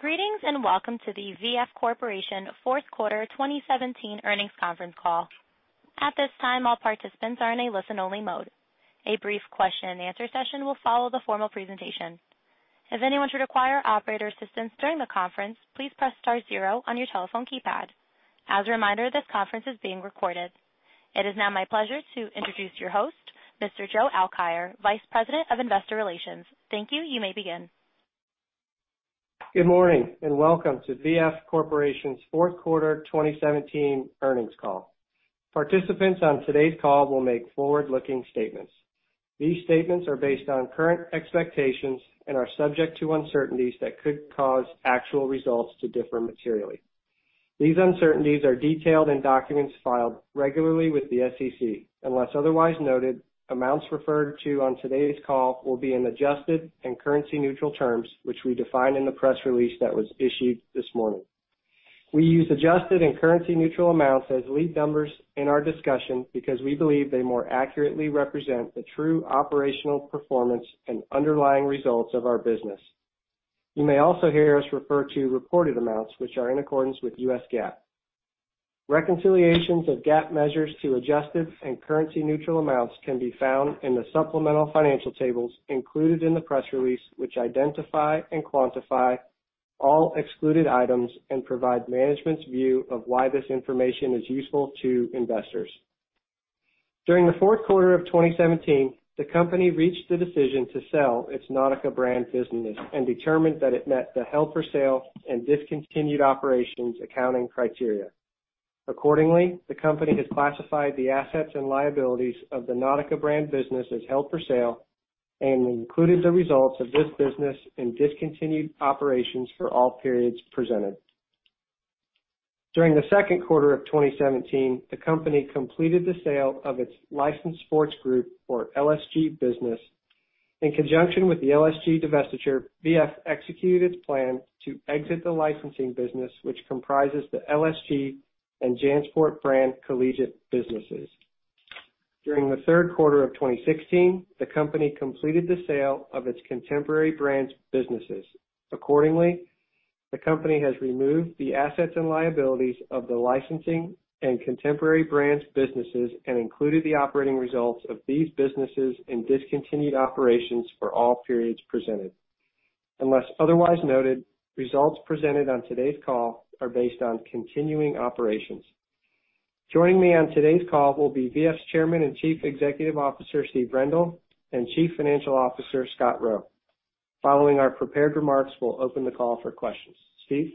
Greetings, welcome to the V.F. Corporation fourth quarter 2017 earnings conference call. At this time, all participants are in a listen-only mode. A brief question and answer session will follow the formal presentation. If anyone should require operator assistance during the conference, please press star zero on your telephone keypad. As a reminder, this conference is being recorded. It is now my pleasure to introduce your host, Mr. Joe Alkire, Vice President of Investor Relations. Thank you. You may begin. Good morning, welcome to V.F. Corporation's fourth quarter 2017 earnings call. Participants on today's call will make forward-looking statements. These statements are based on current expectations and are subject to uncertainties that could cause actual results to differ materially. These uncertainties are detailed in documents filed regularly with the SEC. Unless otherwise noted, amounts referred to on today's call will be in adjusted and currency-neutral terms, which we define in the press release that was issued this morning. We use adjusted and currency neutral amounts as lead numbers in our discussion because we believe they more accurately represent the true operational performance and underlying results of our business. You may also hear us refer to reported amounts which are in accordance with U.S. GAAP. Reconciliations of GAAP measures to adjusted and currency neutral amounts can be found in the supplemental financial tables included in the press release, which identify and quantify all excluded items and provide management's view of why this information is useful to investors. During the fourth quarter of 2017, the company reached the decision to sell its Nautica brand business and determined that it met the held-for-sale and discontinued operations accounting criteria. Accordingly, the company has classified the assets and liabilities of the Nautica brand business as held for sale and included the results of this business in discontinued operations for all periods presented. During the second quarter of 2017, the company completed the sale of its Licensed Sports Group, or LSG business. In conjunction with the LSG divestiture, V.F. executed its plan to exit the licensing business, which comprises the LSG and JanSport brand collegiate businesses. During the third quarter of 2016, the company completed the sale of its Contemporary Brands businesses. Accordingly, the company has removed the assets and liabilities of the licensing and Contemporary Brands businesses and included the operating results of these businesses in discontinued operations for all periods presented. Unless otherwise noted, results presented on today's call are based on continuing operations. Joining me on today's call will be V.F.'s Chairman and Chief Executive Officer, Steve Rendle, and Chief Financial Officer, Scott Roe. Following our prepared remarks, we'll open the call for questions. Steve?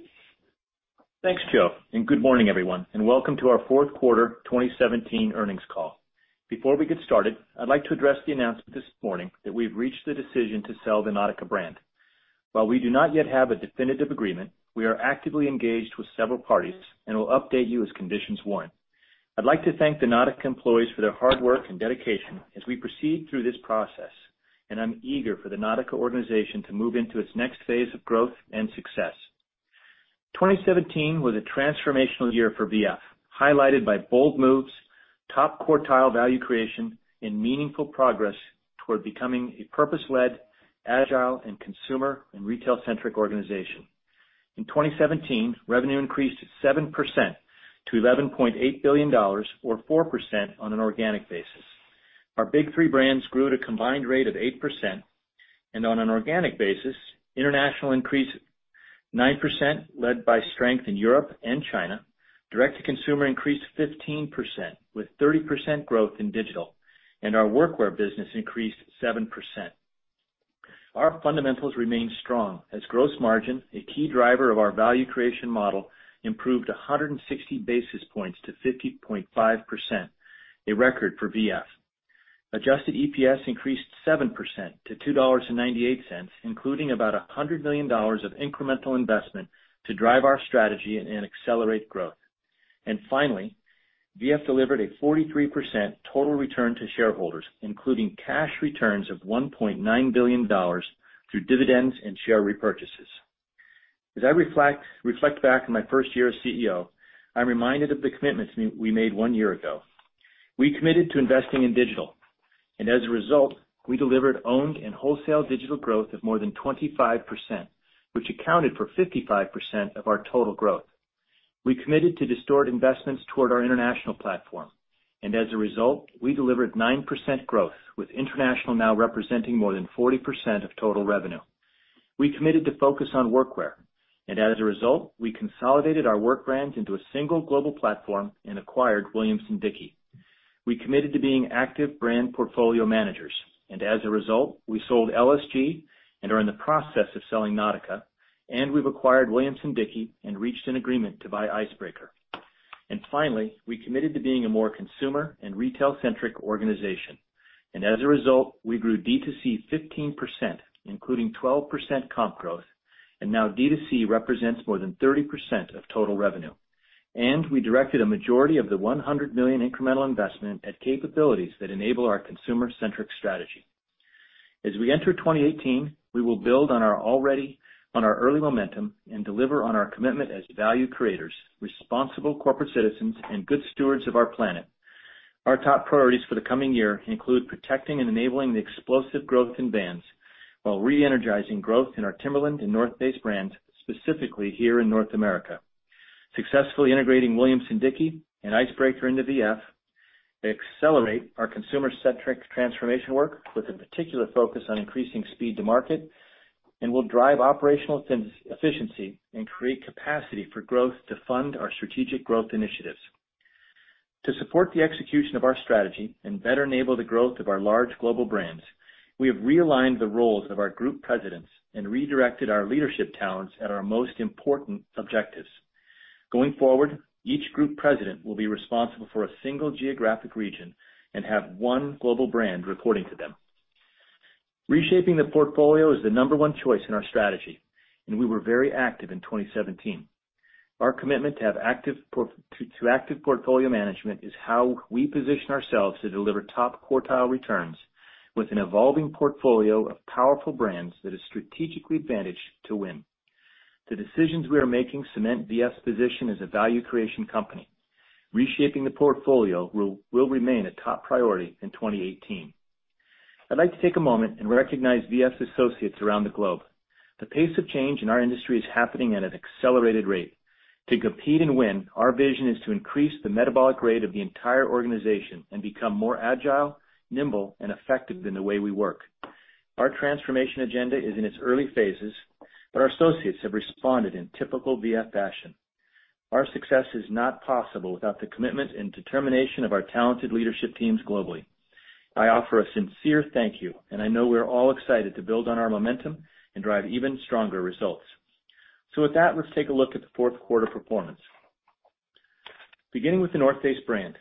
Thanks, Joe, good morning, everyone, welcome to our fourth quarter 2017 earnings call. Before we get started, I'd like to address the announcement this morning that we've reached the decision to sell the Nautica brand. While we do not yet have a definitive agreement, we are actively engaged with several parties and will update you as conditions warrant. I'd like to thank the Nautica employees for their hard work and dedication as we proceed through this process, I'm eager for the Nautica organization to move into its next phase of growth and success. 2017 was a transformational year for V.F., highlighted by bold moves, top-quartile value creation, and meaningful progress toward becoming a purpose-led, agile, and consumer and retail-centric organization. In 2017, revenue increased 7% to $11.8 billion, or 4% on an organic basis. Our big three brands grew at a combined rate of 8%, on an organic basis, international increased 9%, led by strength in Europe and China. Direct-to-consumer increased 15%, with 30% growth in digital, our workwear business increased 7%. Our fundamentals remain strong as gross margin, a key driver of our value creation model, improved 160 basis points to 50.5%, a record for V.F. Adjusted EPS increased 7% to $2.98, including about $100 million of incremental investment to drive our strategy and accelerate growth. Finally, V.F. delivered a 43% total return to shareholders, including cash returns of $1.9 billion through dividends and share repurchases. As I reflect back on my first year as CEO, I'm reminded of the commitments we made one year ago. We committed to investing in digital, as a result, we delivered owned and wholesale digital growth of more than 25%, which accounted for 55% of our total growth. We committed to distort investments toward our international platform, as a result, we delivered 9% growth, with international now representing more than 40% of total revenue. We committed to focus on workwear, as a result, we consolidated our work brands into a single global platform and acquired Williamson-Dickie. We committed to being active brand portfolio managers, as a result, we sold LSG and are in the process of selling Nautica, we've acquired Williamson-Dickie and reached an agreement to buy Icebreaker. Finally, we committed to being a more consumer and retail-centric organization, as a result, we grew D2C 15%, including 12% comp growth, now D2C represents more than 30% of total revenue. We directed a majority of the $100 million incremental investment at capabilities that enable our consumer-centric strategy. As we enter 2018, we will build on our early momentum and deliver on our commitment as value creators, responsible corporate citizens, and good stewards of our planet. Our top priorities for the coming year include protecting and enabling the explosive growth in Vans, while re-energizing growth in our Timberland and North Face brands, specifically here in North America. Successfully integrating Williamson-Dickie and Icebreaker into V.F. Accelerate our consumer-centric transformation work with a particular focus on increasing speed to market, we'll drive operational efficiency and create capacity for growth to fund our strategic growth initiatives. To support the execution of our strategy and better enable the growth of our large global brands, we have realigned the roles of our group presidents and redirected our leadership talents at our most important objectives. Going forward, each group president will be responsible for a single geographic region and have one global brand reporting to them. Reshaping the portfolio is the number one choice in our strategy, and we were very active in 2017. Our commitment to active portfolio management is how we position ourselves to deliver top-quartile returns with an evolving portfolio of powerful brands that are strategically advantaged to win. The decisions we are making cement V.F.'s position as a value creation company. Reshaping the portfolio will remain a top priority in 2018. I'd like to take a moment and recognize V.F.'s associates around the globe. The pace of change in our industry is happening at an accelerated rate. To compete and win, our vision is to increase the metabolic rate of the entire organization and become more agile, nimble, and effective in the way we work. Our transformation agenda is in its early phases, but our associates have responded in typical V.F. fashion. Our success is not possible without the commitment and determination of our talented leadership teams globally. I offer a sincere thank you, and I know we're all excited to build on our momentum and drive even stronger results. With that, let's take a look at the fourth quarter performance. Beginning with The North Face brand.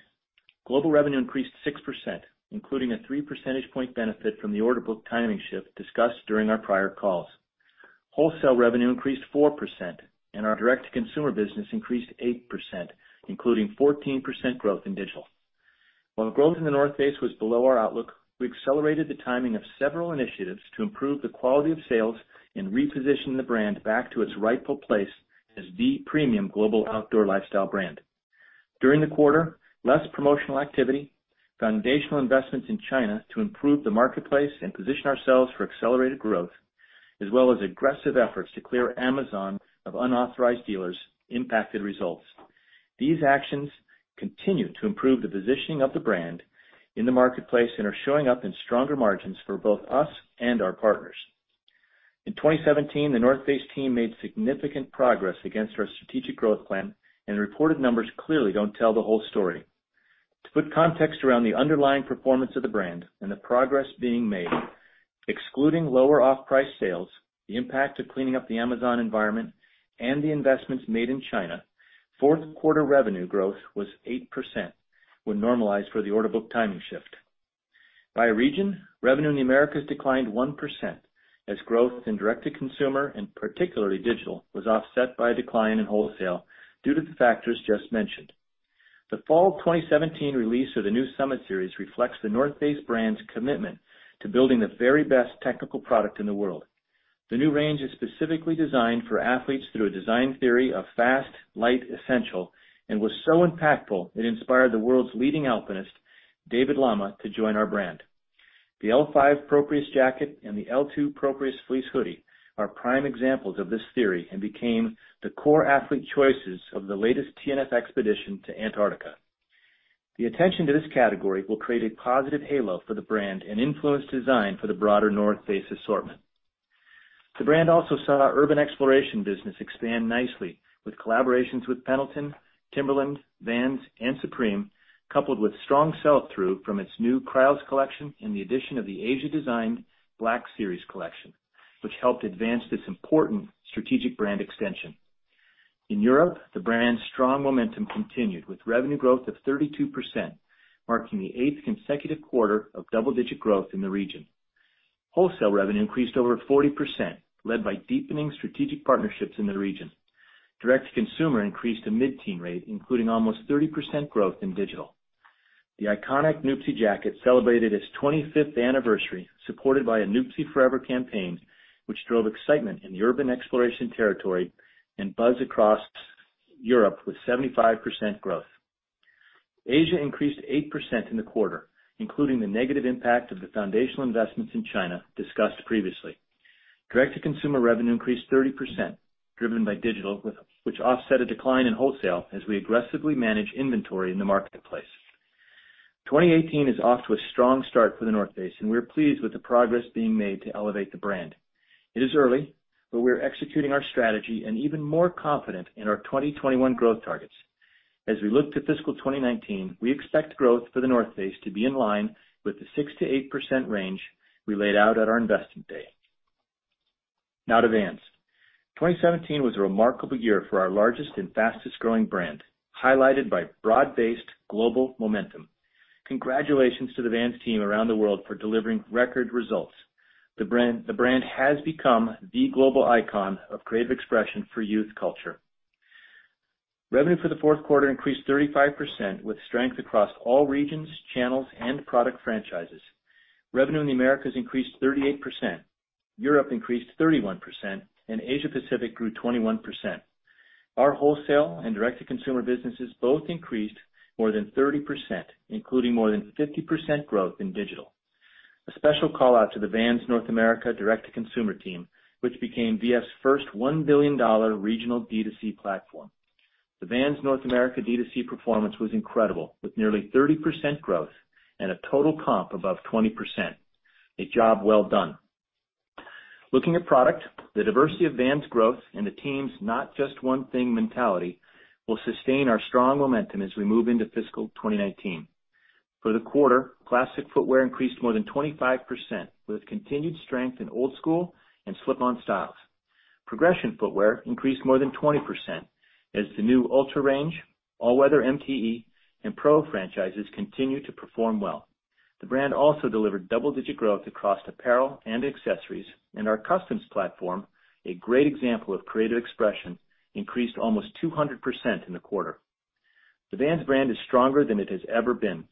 Global revenue increased 6%, including a three-percentage point benefit from the order book timing shift discussed during our prior calls. Wholesale revenue increased 4%, and our direct-to-consumer business increased 8%, including 14% growth in digital. While growth in The North Face was below our outlook, we accelerated the timing of several initiatives to improve the quality of sales and reposition the brand back to its rightful place as the premium global outdoor lifestyle brand. During the quarter, less promotional activity, foundational investments in China to improve the marketplace and position ourselves for accelerated growth, as well as aggressive efforts to clear Amazon of unauthorized dealers impacted results. These actions continue to improve the positioning of the brand in the marketplace and are showing up in stronger margins for both us and our partners. In 2017, The North Face team made significant progress against our strategic growth plan, and the reported numbers clearly don't tell the whole story. To put context around the underlying performance of the brand and the progress being made, excluding lower off-price sales, the impact of cleaning up the Amazon environment, and the investments made in China, fourth quarter revenue growth was 8% when normalized for the order book timing shift. By region, revenue in the Americas declined 1%, as growth in direct-to-consumer, and particularly digital, was offset by a decline in wholesale due to the factors just mentioned. The fall of 2017 release of the new Summit Series reflects The North Face brand's commitment to building the very best technical product in the world. The new range is specifically designed for athletes through a design theory of fast, light, essential, and was so impactful it inspired the world's leading alpinist, David Lama, to join our brand. The L5 Proprius jacket and the L2 Proprius fleece hoodie are prime examples of this theory and became the core athlete choices of the latest TNF expedition to Antarctica. The attention to this category will create a positive halo for the brand and influence design for the broader The North Face assortment. The brand also saw our Urban Exploration business expand nicely with collaborations with Pendleton, Timberland, Vans, and Supreme, coupled with strong sell-through from its new Cryos collection and the addition of the Asia Design Black Series collection, which helped advance this important strategic brand extension. In Europe, the brand's strong momentum continued with revenue growth of 32%, marking the eighth consecutive quarter of double-digit growth in the region. Wholesale revenue increased over 40%, led by deepening strategic partnerships in the region. Direct-to-consumer increased a mid-teen rate, including almost 30% growth in digital. The iconic Nuptse jacket celebrated its 25th anniversary, supported by a Nuptse Forever campaign, which drove excitement in the Urban Exploration territory and buzz across Europe with 75% growth. Asia increased 8% in the quarter, including the negative impact of the foundational investments in China discussed previously. Direct-to-consumer revenue increased 30%, driven by digital, which offset a decline in wholesale as we aggressively manage inventory in the marketplace. 2018 is off to a strong start for The North Face, and we're pleased with the progress being made to elevate the brand. It is early, but we're executing our strategy and even more confident in our 2021 growth targets. As we look to fiscal 2019, we expect growth for The North Face to be in line with the 6%-8% range we laid out at our investment day. Now to Vans. 2017 was a remarkable year for our largest and fastest-growing brand, highlighted by broad-based global momentum. Congratulations to the Vans team around the world for delivering record results. The brand has become the global icon of creative expression for youth culture. Revenue for the fourth quarter increased 35%, with strength across all regions, channels, and product franchises. Revenue in the Americas increased 38%, Europe increased 31%, and Asia-Pacific grew 21%. Our wholesale and direct-to-consumer businesses both increased more than 30%, including more than 50% growth in digital. A special call-out to the Vans North America direct-to-consumer team, which became V.F.'s first $1 billion regional D2C platform. The Vans North America D2C performance was incredible, with nearly 30% growth and a total comp above 20%. A job well done. Looking at product, the diversity of Vans growth and the team's not just one thing mentality will sustain our strong momentum as we move into fiscal 2019. For the quarter, classic footwear increased more than 25%, with continued strength in Old Skool and slip-on styles. Progression footwear increased more than 20% as the new UltraRange, All Weather MTE, and Pro franchises continued to perform well. The brand also delivered double-digit growth across apparel and accessories, and our customs platform, a great example of creative expression, increased almost 200% in the quarter. The Vans brand is stronger than it has ever been.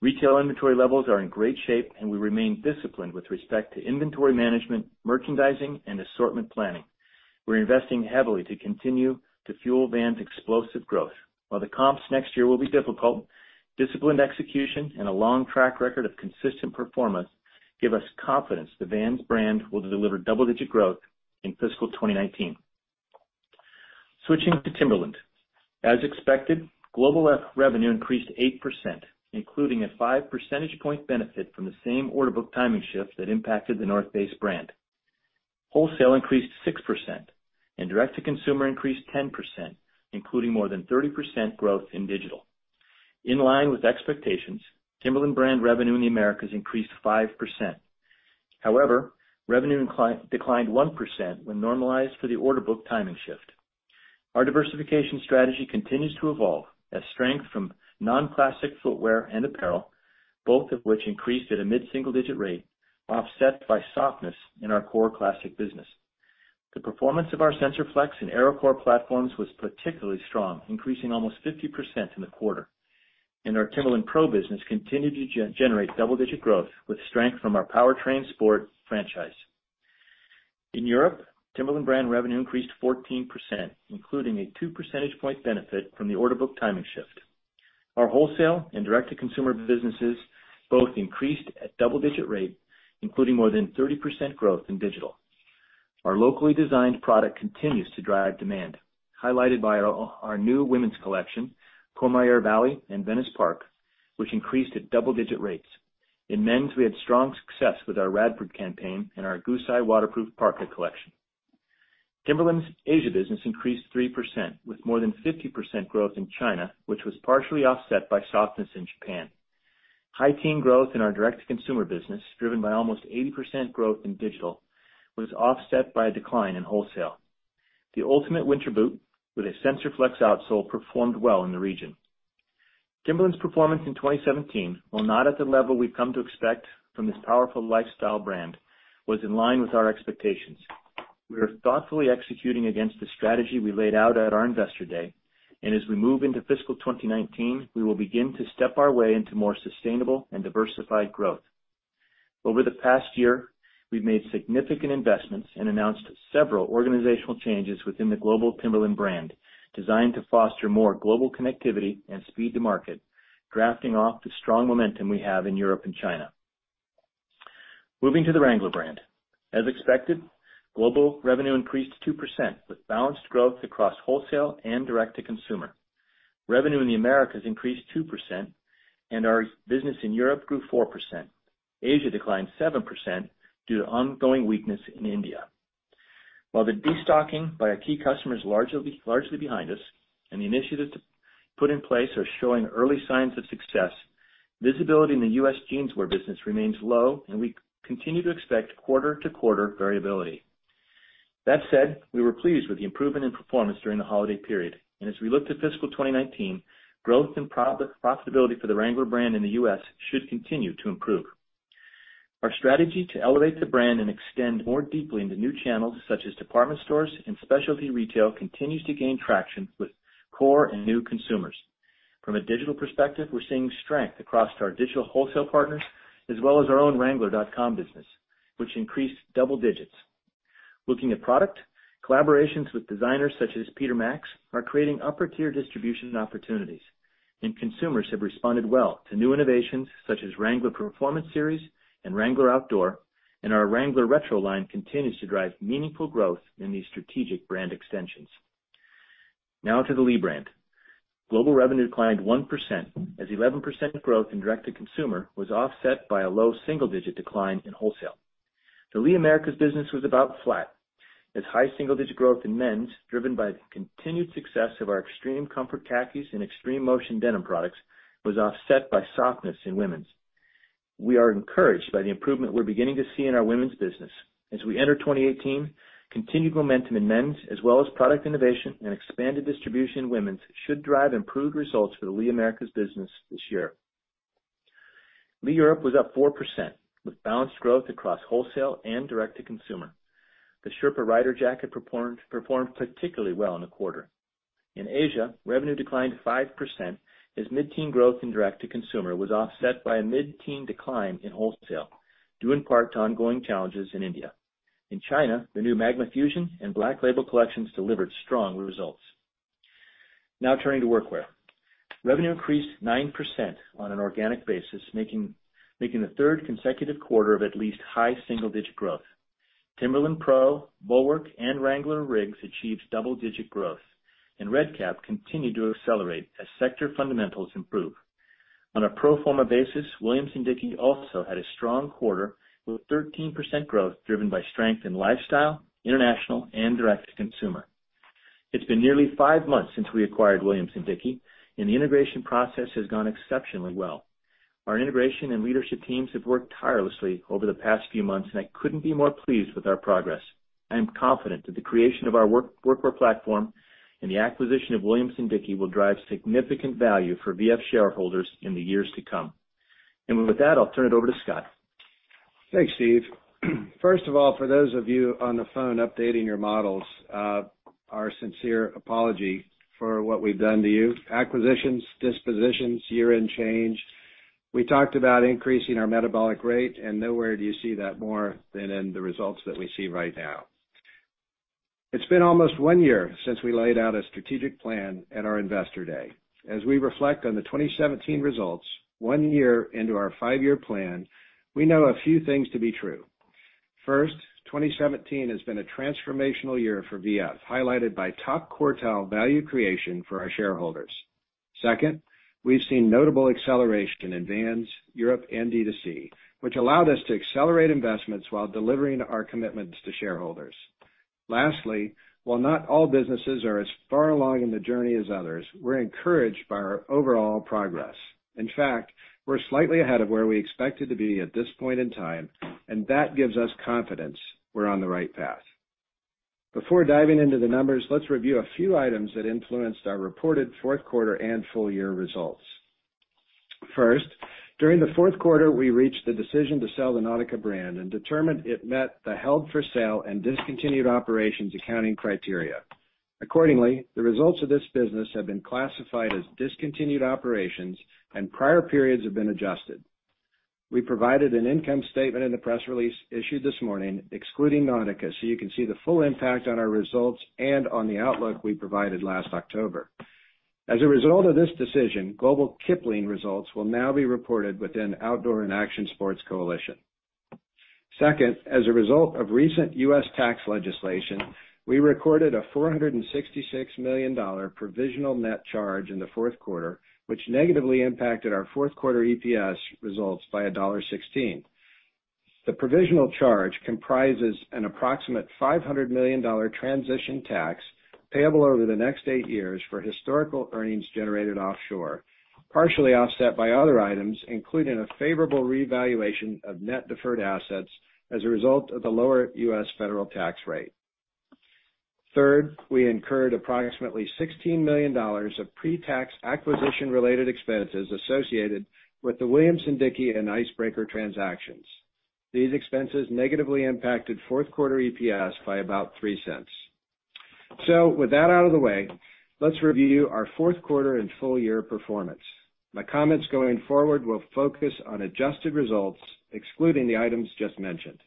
Retail inventory levels are in great shape, and we remain disciplined with respect to inventory management, merchandising, and assortment planning. We're investing heavily to continue to fuel Vans' explosive growth. While the comps next year will be difficult, disciplined execution and a long track record of consistent performance give us confidence the Vans brand will deliver double-digit growth in fiscal 2019. Switching to Timberland. As expected, global revenue increased 8%, including a five-percentage point benefit from the same order book timing shift that impacted The North Face brand. Wholesale increased 6%, and direct-to-consumer increased 10%, including more than 30% growth in digital. In line with expectations, Timberland brand revenue in the Americas increased 5%. However, revenue declined 1% when normalized for the order book timing shift. Our diversification strategy continues to evolve as strength from non-classic footwear and apparel, both of which increased at a mid-single-digit rate, offset by softness in our core classic business. The performance of our SensorFlex and Aerocore platforms was particularly strong, increasing almost 50% in the quarter. Our Timberland PRO business continued to generate double-digit growth with strength from our Powertrain sport franchise. In Europe, Timberland brand revenue increased 14%, including a two-percentage point benefit from the order book timing shift. Our wholesale and direct-to-consumer businesses both increased at double-digit rate, including more than 30% growth in digital. Our locally designed product continues to drive demand, highlighted by our new women's collection, Courmayeur Valley and Venice Park, which increased at double-digit rates. In men's, we had strong success with our Radford campaign and our Gusset waterproof parka collection. Timberland's Asia business increased 3%, with more than 50% growth in China, which was partially offset by softness in Japan. High teen growth in our direct-to-consumer business, driven by almost 80% growth in digital, was offset by a decline in wholesale. The ultimate winter boot with a SensorFlex outsole performed well in the region. Timberland's performance in 2017, while not at the level we've come to expect from this powerful lifestyle brand, was in line with our expectations. We are thoughtfully executing against the strategy we laid out at our investor day. As we move into fiscal 2019, we will begin to step our way into more sustainable and diversified growth. Over the past year, we've made significant investments and announced several organizational changes within the global Timberland brand, designed to foster more global connectivity and speed to market, drafting off the strong momentum we have in Europe and China. Moving to the Wrangler brand. As expected, global revenue increased 2%, with balanced growth across wholesale and direct-to-consumer. Revenue in the Americas increased 2%, and our business in Europe grew 4%. Asia declined 7% due to ongoing weakness in India. While the destocking by our key customers is largely behind us, the initiatives put in place are showing early signs of success, visibility in the U.S. jeanswear business remains low, and we continue to expect quarter-to-quarter variability. That said, we were pleased with the improvement in performance during the holiday period. As we look to fiscal 2019, growth and profitability for the Wrangler brand in the U.S. should continue to improve. Our strategy to elevate the brand and extend more deeply into new channels such as department stores and specialty retail continues to gain traction with core and new consumers. From a digital perspective, we're seeing strength across our digital wholesale partners as well as our own wrangler.com business, which increased double digits. Looking at product, collaborations with designers such as Peter Max are creating upper-tier distribution opportunities. Consumers have responded well to new innovations such as Wrangler Performance Series and Wrangler Outdoor, and our Wrangler Retro line continues to drive meaningful growth in these strategic brand extensions. To the Lee brand. Global revenue declined 1%, as 11% growth in direct to consumer was offset by a low single-digit decline in wholesale. The Lee Americas business was about flat, as high single-digit growth in men's, driven by the continued success of our Extreme Comfort khakis and Extreme Motion denim products, was offset by softness in women's. We are encouraged by the improvement we're beginning to see in our women's business. As we enter 2018, continued momentum in men's as well as product innovation and expanded distribution in women's should drive improved results for the Lee Americas business this year. Lee Europe was up 4%, with balanced growth across wholesale and direct to consumer. The Sherpa Rider jacket performed particularly well in the quarter. In Asia, revenue declined 5%, as mid-teen growth in direct to consumer was offset by a mid-teen decline in wholesale. Due in part to ongoing challenges in India. In China, the new Magma Fusion and Black Label collections delivered strong results. Turning to Workwear. Revenue increased 9% on an organic basis, making the third consecutive quarter of at least high single-digit growth. Timberland PRO, Bulwark, and Wrangler RIGGS achieved double-digit growth, and Red Kap continued to accelerate as sector fundamentals improve. On a pro forma basis, Williamson-Dickie also had a strong quarter with 13% growth driven by strength in lifestyle, international, and direct-to-consumer. It's been nearly five months since we acquired Williamson-Dickie, and the integration process has gone exceptionally well. Our integration and leadership teams have worked tirelessly over the past few months, and I couldn't be more pleased with our progress. I am confident that the creation of our Workwear platform and the acquisition of Williamson-Dickie will drive significant value for V.F. shareholders in the years to come. With that, I'll turn it over to Scott. Thanks, Steve. First of all, for those of you on the phone updating your models, our sincere apology for what we've done to you. Acquisitions, dispositions, year-end change. We talked about increasing our metabolic rate, and nowhere do you see that more than in the results that we see right now. It's been almost one year since we laid out a strategic plan at our investor day. As we reflect on the 2017 results, one year into our five-year plan, we know a few things to be true. First, 2017 has been a transformational year for V.F., highlighted by top-quartile value creation for our shareholders. Second, we've seen notable acceleration in Vans, Europe, and D2C, which allowed us to accelerate investments while delivering our commitments to shareholders. Lastly, while not all businesses are as far along in the journey as others, we're encouraged by our overall progress. In fact, we're slightly ahead of where we expected to be at this point in time, that gives us confidence we're on the right path. Before diving into the numbers, let's review a few items that influenced our reported fourth quarter and full-year results. First, during the fourth quarter, we reached the decision to sell the Nautica brand and determined it met the held-for-sale and discontinued operations accounting criteria. Accordingly, the results of this business have been classified as discontinued operations and prior periods have been adjusted. We provided an income statement in the press release issued this morning excluding Nautica, so you can see the full impact on our results and on the outlook we provided last October. As a result of this decision, Global Kipling results will now be reported within Outdoor & Action Sports Coalition. Second, as a result of recent U.S. tax legislation, we recorded a $466 million provisional net charge in the fourth quarter, which negatively impacted our fourth quarter EPS results by $1.16. The provisional charge comprises an approximate $500 million transition tax payable over the next eight years for historical earnings generated offshore, partially offset by other items, including a favorable revaluation of net deferred assets as a result of the lower U.S. federal tax rate. Third, we incurred approximately $16 million of pre-tax acquisition related expenses associated with the Williamson-Dickie and Icebreaker transactions. These expenses negatively impacted fourth quarter EPS by about $0.03. With that out of the way, let's review our fourth quarter and full-year performance. My comments going forward will focus on adjusted results, excluding the items just mentioned.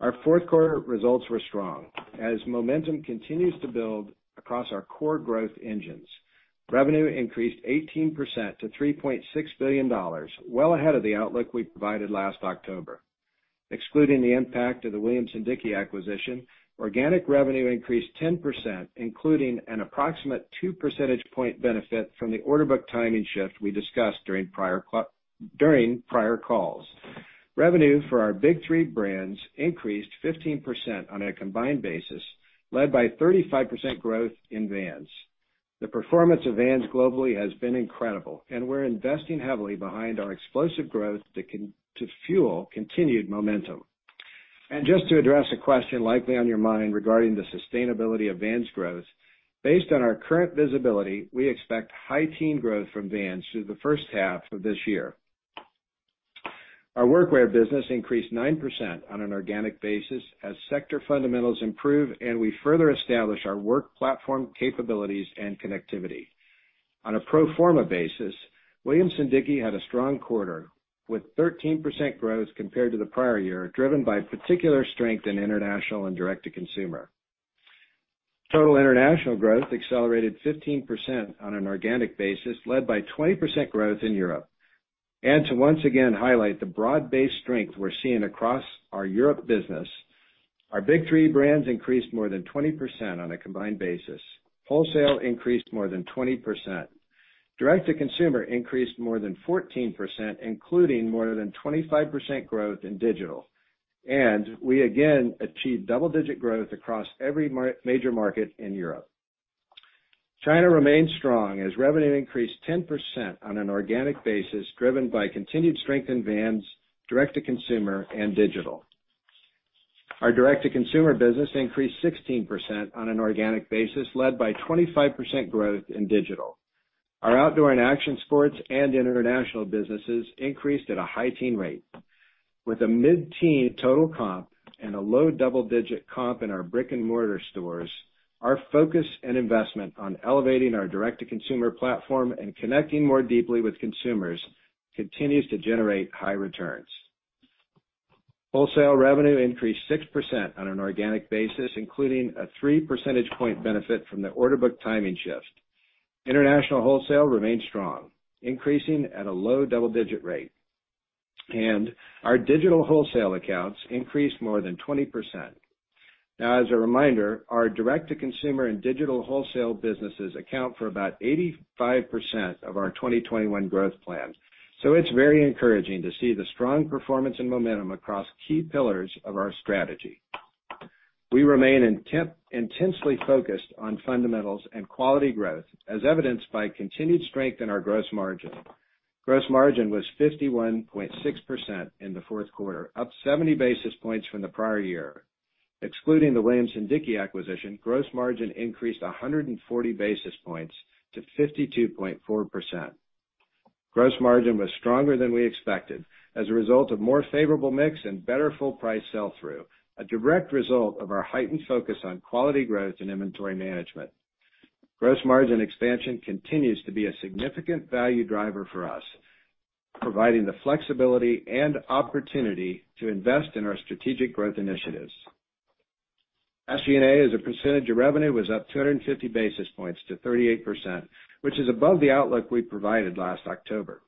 Our fourth quarter results were strong as momentum continues to build across our core growth engines. Revenue increased 18% to $3.6 billion, well ahead of the outlook we provided last October. Excluding the impact of the Williamson-Dickie acquisition, organic revenue increased 10%, including an approximate two percentage point benefit from the order book timing shift we discussed during prior calls. Revenue for our big three brands increased 15% on a combined basis, led by 35% growth in Vans. The performance of Vans globally has been incredible, and we're investing heavily behind our explosive growth to fuel continued momentum. Just to address a question likely on your mind regarding the sustainability of Vans growth, based on our current visibility, we expect high teen growth from Vans through the first half of this year. Our Workwear business increased 9% on an organic basis as sector fundamentals improve and we further establish our work platform capabilities and connectivity. On a pro forma basis, Williamson-Dickie had a strong quarter with 13% growth compared to the prior year, driven by particular strength in international and direct-to-consumer. Total international growth accelerated 15% on an organic basis, led by 20% growth in Europe. To once again highlight the broad-based strength we're seeing across our Europe business, our big three brands increased more than 20% on a combined basis. Wholesale increased more than 20%. Direct-to-consumer increased more than 14%, including more than 25% growth in digital. We again achieved double-digit growth across every major market in Europe. China remains strong as revenue increased 10% on an organic basis, driven by continued strength in Vans, direct-to-consumer, and digital. Our direct-to-consumer business increased 16% on an organic basis, led by 25% growth in digital. Our Outdoor & Action Sports and international businesses increased at a high teen rate. With a mid-teen total comp and a low double-digit comp in our brick-and-mortar stores. Our focus and investment on elevating our direct-to-consumer platform and connecting more deeply with consumers continues to generate high returns. Wholesale revenue increased 6% on an organic basis, including a three percentage point benefit from the order book timing shift. International wholesale remained strong, increasing at a low double-digit rate. Our digital wholesale accounts increased more than 20%. As a reminder, our direct-to-consumer and digital wholesale businesses account for about 85% of our 2021 growth plans. It's very encouraging to see the strong performance and momentum across key pillars of our strategy. We remain intensely focused on fundamentals and quality growth, as evidenced by continued strength in our gross margin. Gross margin was 51.6% in the fourth quarter, up 70 basis points from the prior year. Excluding the Williamson-Dickie acquisition, gross margin increased 140 basis points to 52.4%. Gross margin was stronger than we expected as a result of more favorable mix and better full price sell-through, a direct result of our heightened focus on quality growth and inventory management. Gross margin expansion continues to be a significant value driver for us, providing the flexibility and opportunity to invest in our strategic growth initiatives. SG&A, as a percentage of revenue, was up 250 basis points to 38%, which is above the outlook we provided last October.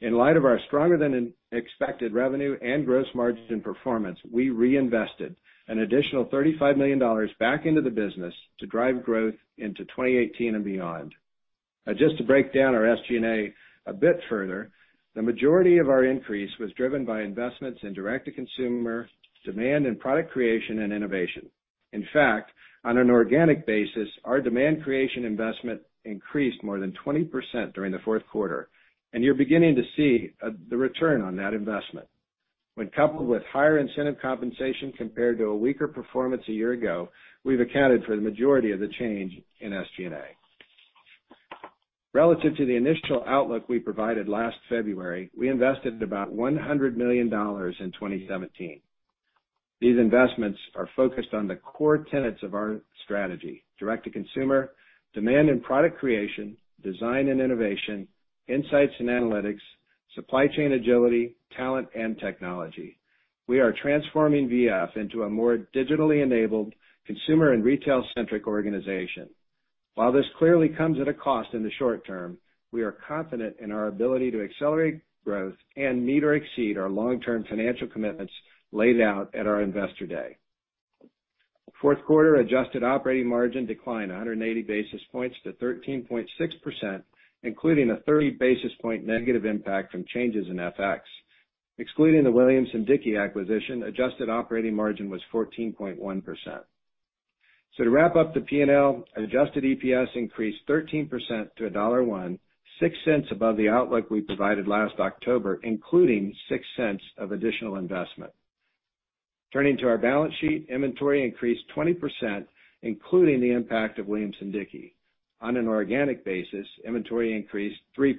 In light of our stronger than expected revenue and gross margin performance, we reinvested an additional $35 million back into the business to drive growth into 2018 and beyond. Just to break down our SG&A a bit further, the majority of our increase was driven by investments in direct-to-consumer demand and product creation and innovation. In fact, on an organic basis, our demand creation investment increased more than 20% during the fourth quarter, and you're beginning to see the return on that investment. When coupled with higher incentive compensation compared to a weaker performance a year ago, we've accounted for the majority of the change in SG&A. Relative to the initial outlook we provided last February, we invested about $100 million in 2017. These investments are focused on the core tenets of our strategy, direct-to-consumer, demand and product creation, design and innovation, insights and analytics, supply chain agility, talent and technology. We are transforming V.F. into a more digitally enabled consumer and retail-centric organization. While this clearly comes at a cost in the short term, we are confident in our ability to accelerate growth and meet or exceed our long-term financial commitments laid out at our investor day. Fourth quarter adjusted operating margin declined 180 basis points to 13.6%, including a 30 basis point negative impact from changes in FX. Excluding the Williamson-Dickie acquisition, adjusted operating margin was 14.1%. To wrap up the P&L, adjusted EPS increased 13% to $1.01, $0.06 above the outlook we provided last October, including $0.06 of additional investment. Turning to our balance sheet, inventory increased 20%, including the impact of Williamson-Dickie. On an organic basis, inventory increased 3%.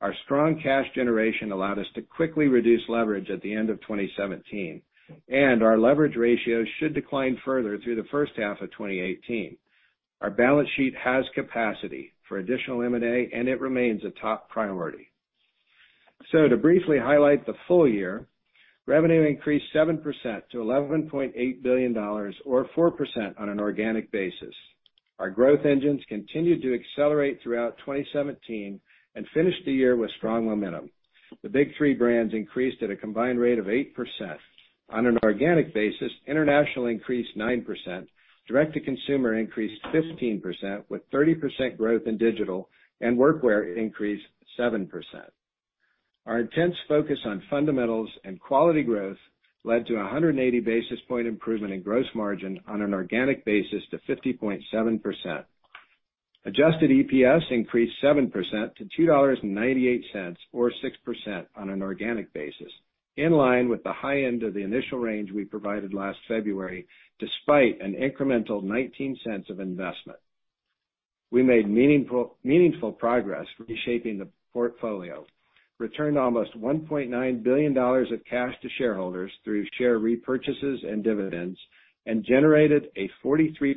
Our strong cash generation allowed us to quickly reduce leverage at the end of 2017, and our leverage ratio should decline further through the first half of 2018. Our balance sheet has capacity for additional M&A, and it remains a top priority. To briefly highlight the full year, revenue increased 7% to $11.8 billion, or 4% on an organic basis. Our growth engines continued to accelerate throughout 2017 and finished the year with strong momentum. The big three brands increased at a combined rate of 8%. On an organic basis, international increased 9%, direct-to-consumer increased 15%, with 30% growth in digital, and workwear increased 7%. Our intense focus on fundamentals and quality growth led to 180 basis point improvement in gross margin on an organic basis to 50.7%. Adjusted EPS increased 7% to $2.98 or 6% on an organic basis, in line with the high end of the initial range we provided last February, despite an incremental $0.19 of investment. We made meaningful progress reshaping the portfolio, returned almost $1.9 billion of cash to shareholders through share repurchases and dividends, and generated a 43%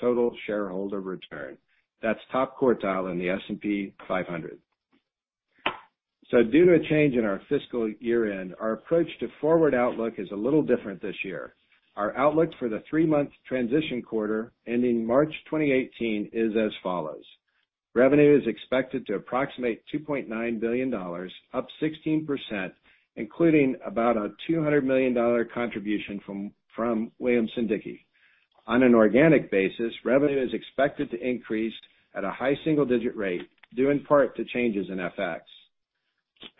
total shareholder return. That's top quartile in the S&P 500. Due to a change in our fiscal year-end, our approach to forward outlook is a little different this year. Our outlook for the three-month transition quarter ending March 2018 is as follows. Revenue is expected to approximate $2.9 billion, up 16%, including about a $200 million contribution from Williamson-Dickie. On an organic basis, revenue is expected to increase at a high single-digit rate, due in part to changes in FX.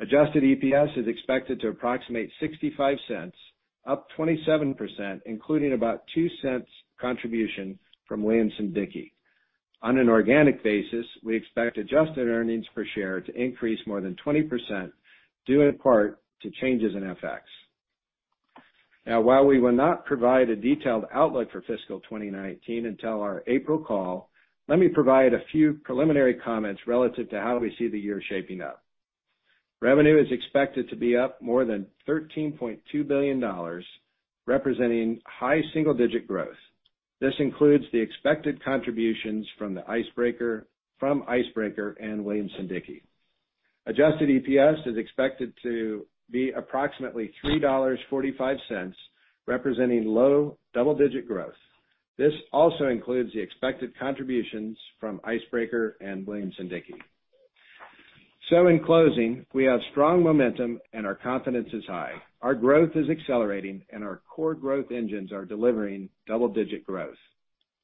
Adjusted EPS is expected to approximate $0.65, up 27%, including about $0.02 contribution from Williamson-Dickie. On an organic basis, we expect adjusted earnings per share to increase more than 20%, due in part to changes in FX. While we will not provide a detailed outlook for fiscal 2019 until our April call, let me provide a few preliminary comments relative to how we see the year shaping up. Revenue is expected to be up more than $13.2 billion, representing high single-digit growth. This includes the expected contributions from Icebreaker and Williamson-Dickie. Adjusted EPS is expected to be approximately $3.45, representing low double-digit growth. This also includes the expected contributions from Icebreaker and Williamson-Dickie. In closing, we have strong momentum and our confidence is high. Our growth is accelerating and our core growth engines are delivering double-digit growth.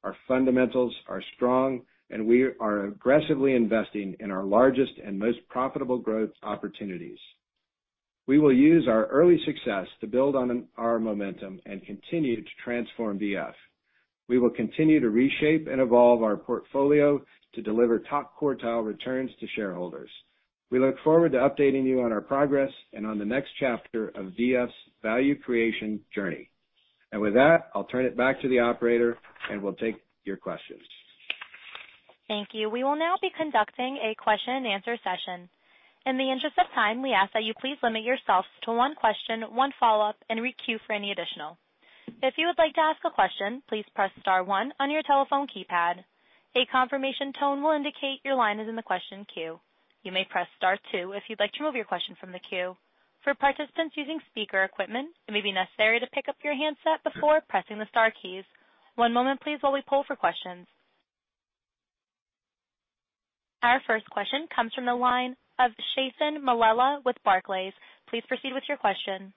Our fundamentals are strong. We are aggressively investing in our largest and most profitable growth opportunities. We will use our early success to build on our momentum and continue to transform V.F. We will continue to reshape and evolve our portfolio to deliver top-quartile returns to shareholders. We look forward to updating you on our progress and on the next chapter of V.F.'s value creation journey. With that, I'll turn it back to the operator and we'll take your questions. Thank you. We will now be conducting a question and answer session. In the interest of time, we ask that you please limit yourself to one question, one follow-up, and re-queue for any additional. If you would like to ask a question, please press star one on your telephone keypad. A confirmation tone will indicate your line is in the question queue. You may press star two if you'd like to remove your question from the queue. For participants using speaker equipment, it may be necessary to pick up your handset before pressing the star keys. One moment please while we poll for questions. Our first question comes from the line of Chethan Mallela with Barclays. Please proceed with your question.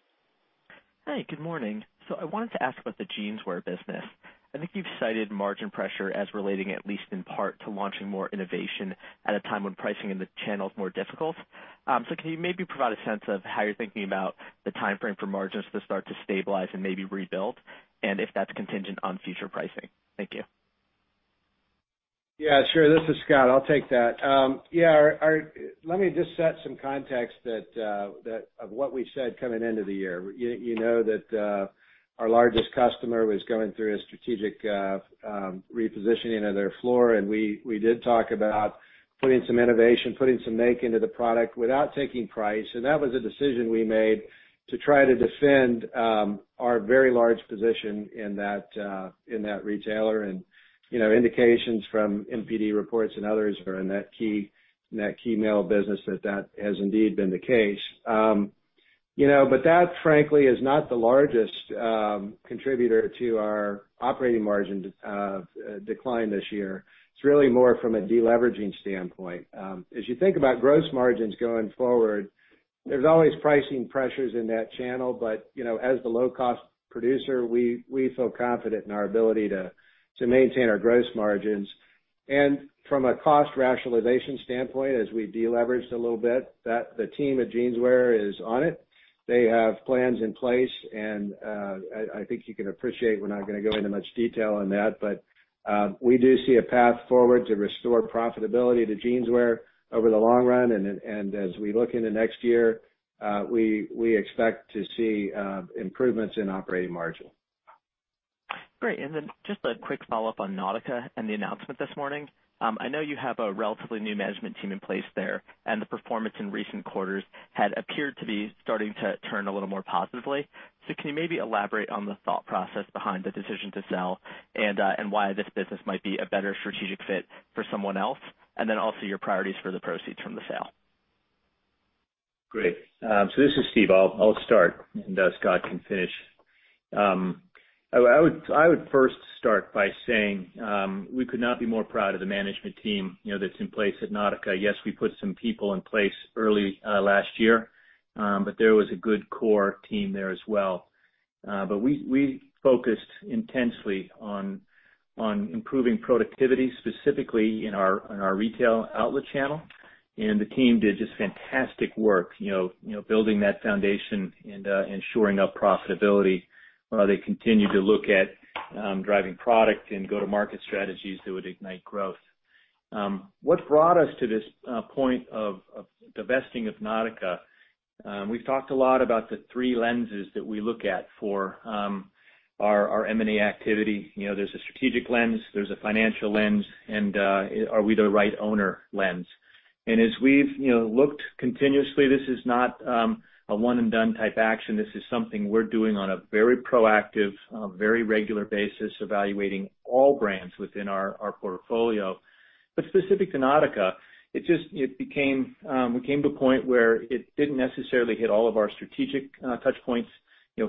Hi, good morning. I wanted to ask about the jeanswear business. I think you've cited margin pressure as relating, at least in part, to launching more innovation at a time when pricing in the channel is more difficult. Can you maybe provide a sense of how you're thinking about the timeframe for margins to start to stabilize and maybe rebuild, and if that's contingent on future pricing? Thank you. Yeah, sure. This is Scott. I'll take that. Let me just set some context of what we said coming into the year. You know that our largest customer was going through a strategic repositioning of their floor, we did talk about putting some innovation, putting some make into the product without taking price. That was a decision we made to try to defend our very large position in that retailer. Indications from NPD reports and others are in that key male business that has indeed been the case. That, frankly, is not the largest contributor to our operating margin decline this year. It's really more from a deleveraging standpoint. As you think about gross margins going forward, there's always pricing pressures in that channel, but, as the low-cost producer, we feel confident in our ability to maintain our gross margins. From a cost rationalization standpoint, as we deleveraged a little bit, the team at jeanswear is on it. They have plans in place, I think you can appreciate we're not going to go into much detail on that. We do see a path forward to restore profitability to jeanswear over the long run. As we look into next year, we expect to see improvements in operating margin. Great. Just a quick follow-up on Nautica and the announcement this morning. I know you have a relatively new management team in place there, and the performance in recent quarters had appeared to be starting to turn a little more positively. Can you maybe elaborate on the thought process behind the decision to sell and why this business might be a better strategic fit for someone else? Also your priorities for the proceeds from the sale. Great. This is Steve. I'll start, Scott can finish. I would first start by saying, we could not be more proud of the management team that's in place at Nautica. Yes, we put some people in place early last year, there was a good core team there as well. We focused intensely on improving productivity, specifically in our retail outlet channel, the team did just fantastic work building that foundation and shoring up profitability while they continued to look at driving product and go-to-market strategies that would ignite growth. What brought us to this point of divesting of Nautica, we've talked a lot about the three lenses that we look at for our M&A activity. There's a strategic lens, there's a financial lens, and are we the right owner lens. As we've looked continuously, this is not a one and done type action. This is something we're doing on a very proactive, very regular basis, evaluating all brands within our portfolio. Specific to Nautica, we came to a point where it didn't necessarily hit all of our strategic touch points.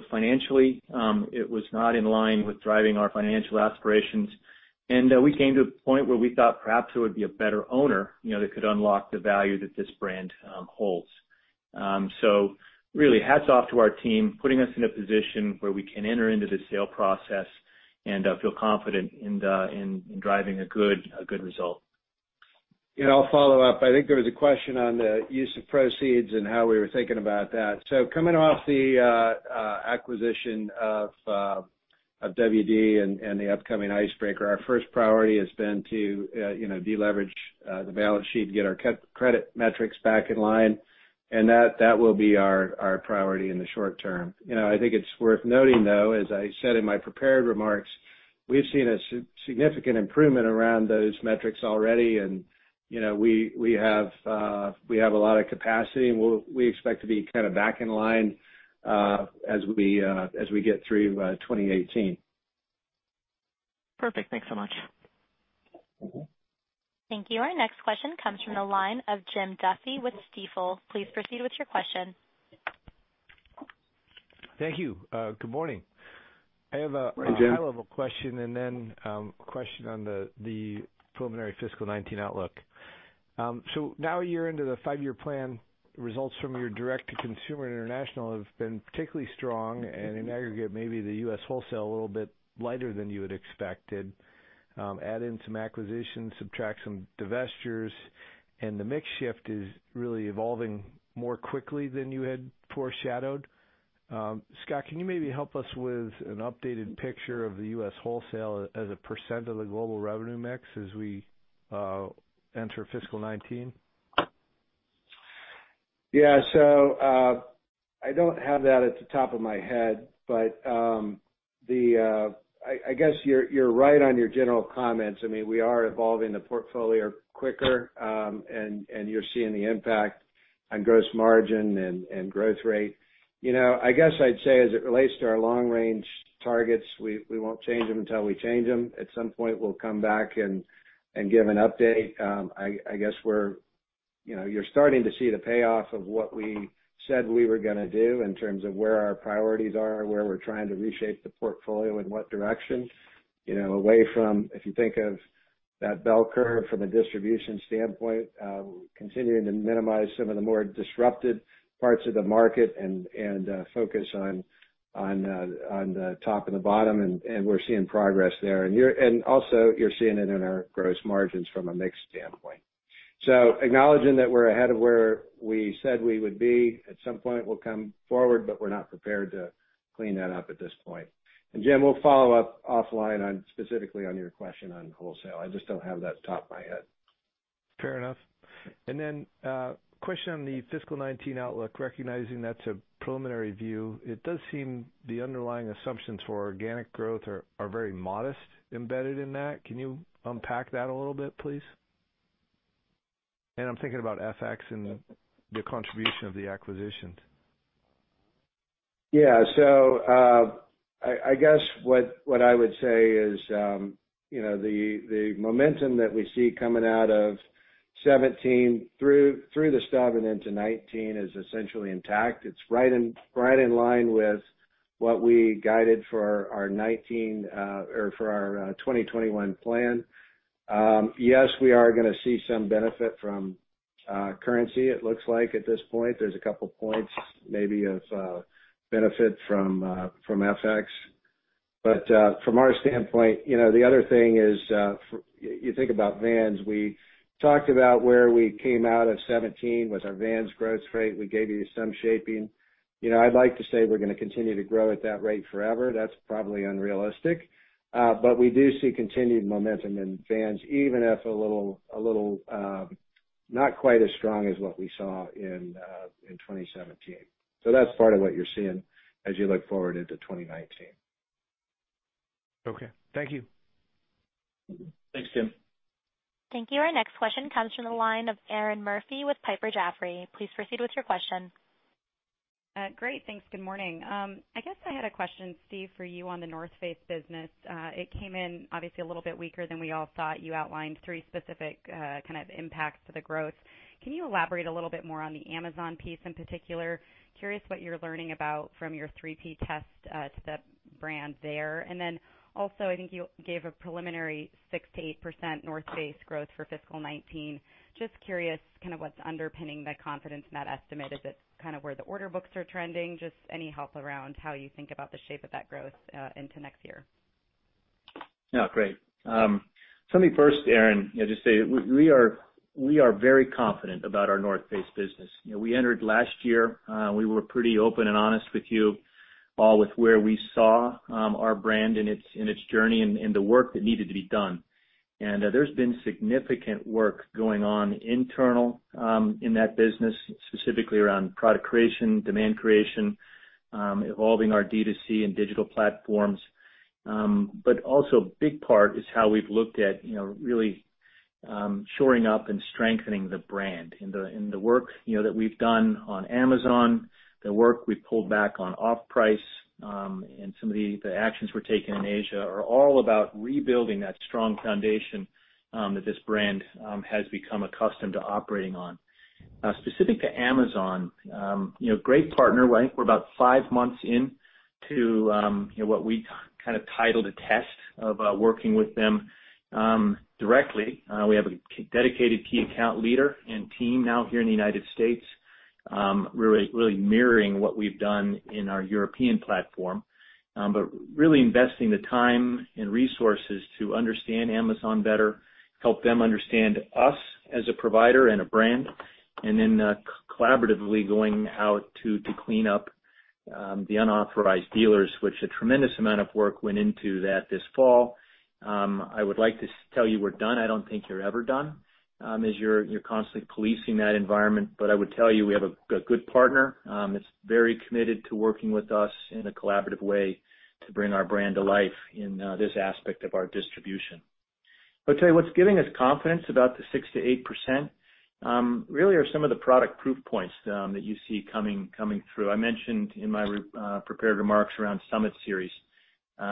Financially, it was not in line with driving our financial aspirations. We came to a point where we thought perhaps there would be a better owner that could unlock the value that this brand holds. Really, hats off to our team, putting us in a position where we can enter into the sale process and feel confident in driving a good result. I'll follow up. I think there was a question on the use of proceeds and how we were thinking about that. Coming off the acquisition of WD and the upcoming Icebreaker, our first priority has been to deleverage the balance sheet, get our credit metrics back in line, that will be our priority in the short term. I think it's worth noting, though, as I said in my prepared remarks We've seen a significant improvement around those metrics already, we have a lot of capacity, we expect to be back in line as we get through 2018. Perfect. Thanks so much. Thank you. Our next question comes from the line of Jim Duffy with Stifel. Please proceed with your question. Thank you. Good morning. Hi, Jim. I have a high-level question and then a question on the preliminary fiscal 2019 outlook. Now a year into the five-year plan, results from your direct-to-consumer international have been particularly strong, and in aggregate, maybe the U.S. wholesale a little bit lighter than you had expected. Add in some acquisitions, subtract some divestitures, and the mix shift is really evolving more quickly than you had foreshadowed. Scott, can you maybe help us with an updated picture of the U.S. wholesale as a % of the global revenue mix as we enter fiscal 2019? Yeah. I don't have that at the top of my head, but I guess you're right on your general comments. We are evolving the portfolio quicker, and you're seeing the impact on gross margin and growth rate. I guess I'd say as it relates to our long-range targets, we won't change them until we change them. At some point, we'll come back and give an update. I guess you're starting to see the payoff of what we said we were going to do in terms of where our priorities are and where we're trying to reshape the portfolio, in what direction. Away from, if you think of that bell curve from a distribution standpoint, continuing to minimize some of the more disrupted parts of the market and focus on the top and the bottom, and we're seeing progress there. Also, you're seeing it in our gross margins from a mix standpoint. Acknowledging that we're ahead of where we said we would be, at some point, we'll come forward, but we're not prepared to clean that up at this point. Jim, we'll follow up offline on specifically on your question on wholesale. I just don't have that at the top of my head. Fair enough. Then a question on the fiscal 2019 outlook, recognizing that's a preliminary view. It does seem the underlying assumptions for organic growth are very modest embedded in that. Can you unpack that a little bit, please? I'm thinking about FX and the contribution of the acquisitions. Yeah. I guess what I would say is the momentum that we see coming out of 2017 through the stub and into 2019 is essentially intact. It is right in line with what we guided for our 2021 plan. Yes, we are going to see some benefit from currency, it looks like at this point. There is a couple points maybe of benefit from FX. From our standpoint, the other thing is, you think about Vans. We talked about where we came out of 2017 with our Vans growth rate. We gave you some shaping. I would like to say we are going to continue to grow at that rate forever. That is probably unrealistic. We do see continued momentum in Vans, even if a little, not quite as strong as what we saw in 2017. That is part of what you are seeing as you look forward into 2019. Okay. Thank you. Thanks, Jim. Thank you. Our next question comes from the line of Erinn Murphy with Piper Jaffray. Please proceed with your question. Great. Thanks. Good morning. I guess I had a question, Steve, for you on The North Face business. It came in obviously a little bit weaker than we all thought. You outlined three specific impacts to the growth. Can you elaborate a little bit more on the Amazon piece in particular? Curious what you're learning about from your 3P test to the brand there. I think you gave a preliminary 6%-8% The North Face growth for fiscal 2019. Just curious what's underpinning the confidence in that estimate. Is it where the order books are trending? Just any help around how you think about the shape of that growth into next year. Yeah. Great. Let me first, Erinn, just say we are very confident about our The North Face business. We entered last year, we were pretty open and honest with you all with where we saw our brand in its journey and the work that needed to be done. There's been significant work going on internal in that business, specifically around product creation, demand creation, evolving our D2C and digital platforms. Also a big part is how we've looked at really shoring up and strengthening the brand, and the work that we've done on Amazon, the work we pulled back on off price, and some of the actions we're taking in Asia are all about rebuilding that strong foundation that this brand has become accustomed to operating on. Specific to Amazon, great partner. I think we're about five months in to what we titled a test of working with them directly. We have a dedicated key account leader and team now here in the U.S. We're really mirroring what we've done in our European platform. Really investing the time and resources to understand Amazon better, help them understand us as a provider and a brand, and then collaboratively going out to clean up the unauthorized dealers, which a tremendous amount of work went into that this fall. I would like to tell you we're done. I don't think you're ever done, as you're constantly policing that environment. I would tell you, we have a good partner that's very committed to working with us in a collaborative way to bring our brand to life in this aspect of our distribution. I'll tell you what's giving us confidence about the 6%-8%, really are some of the product proof points that you see coming through. I mentioned in my prepared remarks around Summit Series.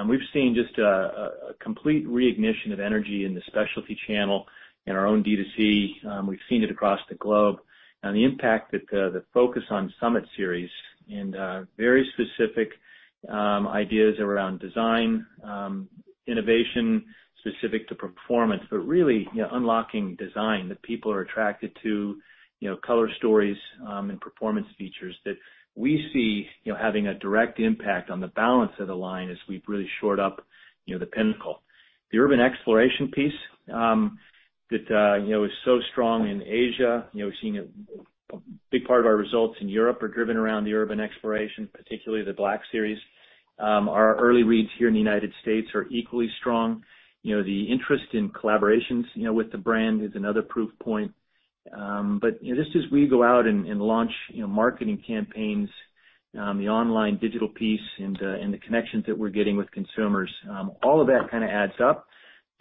We've seen just a complete reignition of energy in the specialty channel, in our own D2C. We've seen it across the globe. The impact that the focus on Summit Series and very specific ideas around design, innovation specific to performance. Unlocking design that people are attracted to, color stories, and performance features that we see having a direct impact on the balance of the line as we've really shored up the pinnacle. The Urban Exploration piece that is so strong in Asia. We've seen a big part of our results in Europe are driven around the Urban Exploration, particularly the Black Series. Our early reads here in the U.S. are equally strong. The interest in collaborations with the brand is another proof point. Just as we go out and launch marketing campaigns, the online digital piece and the connections that we're getting with consumers, all of that adds up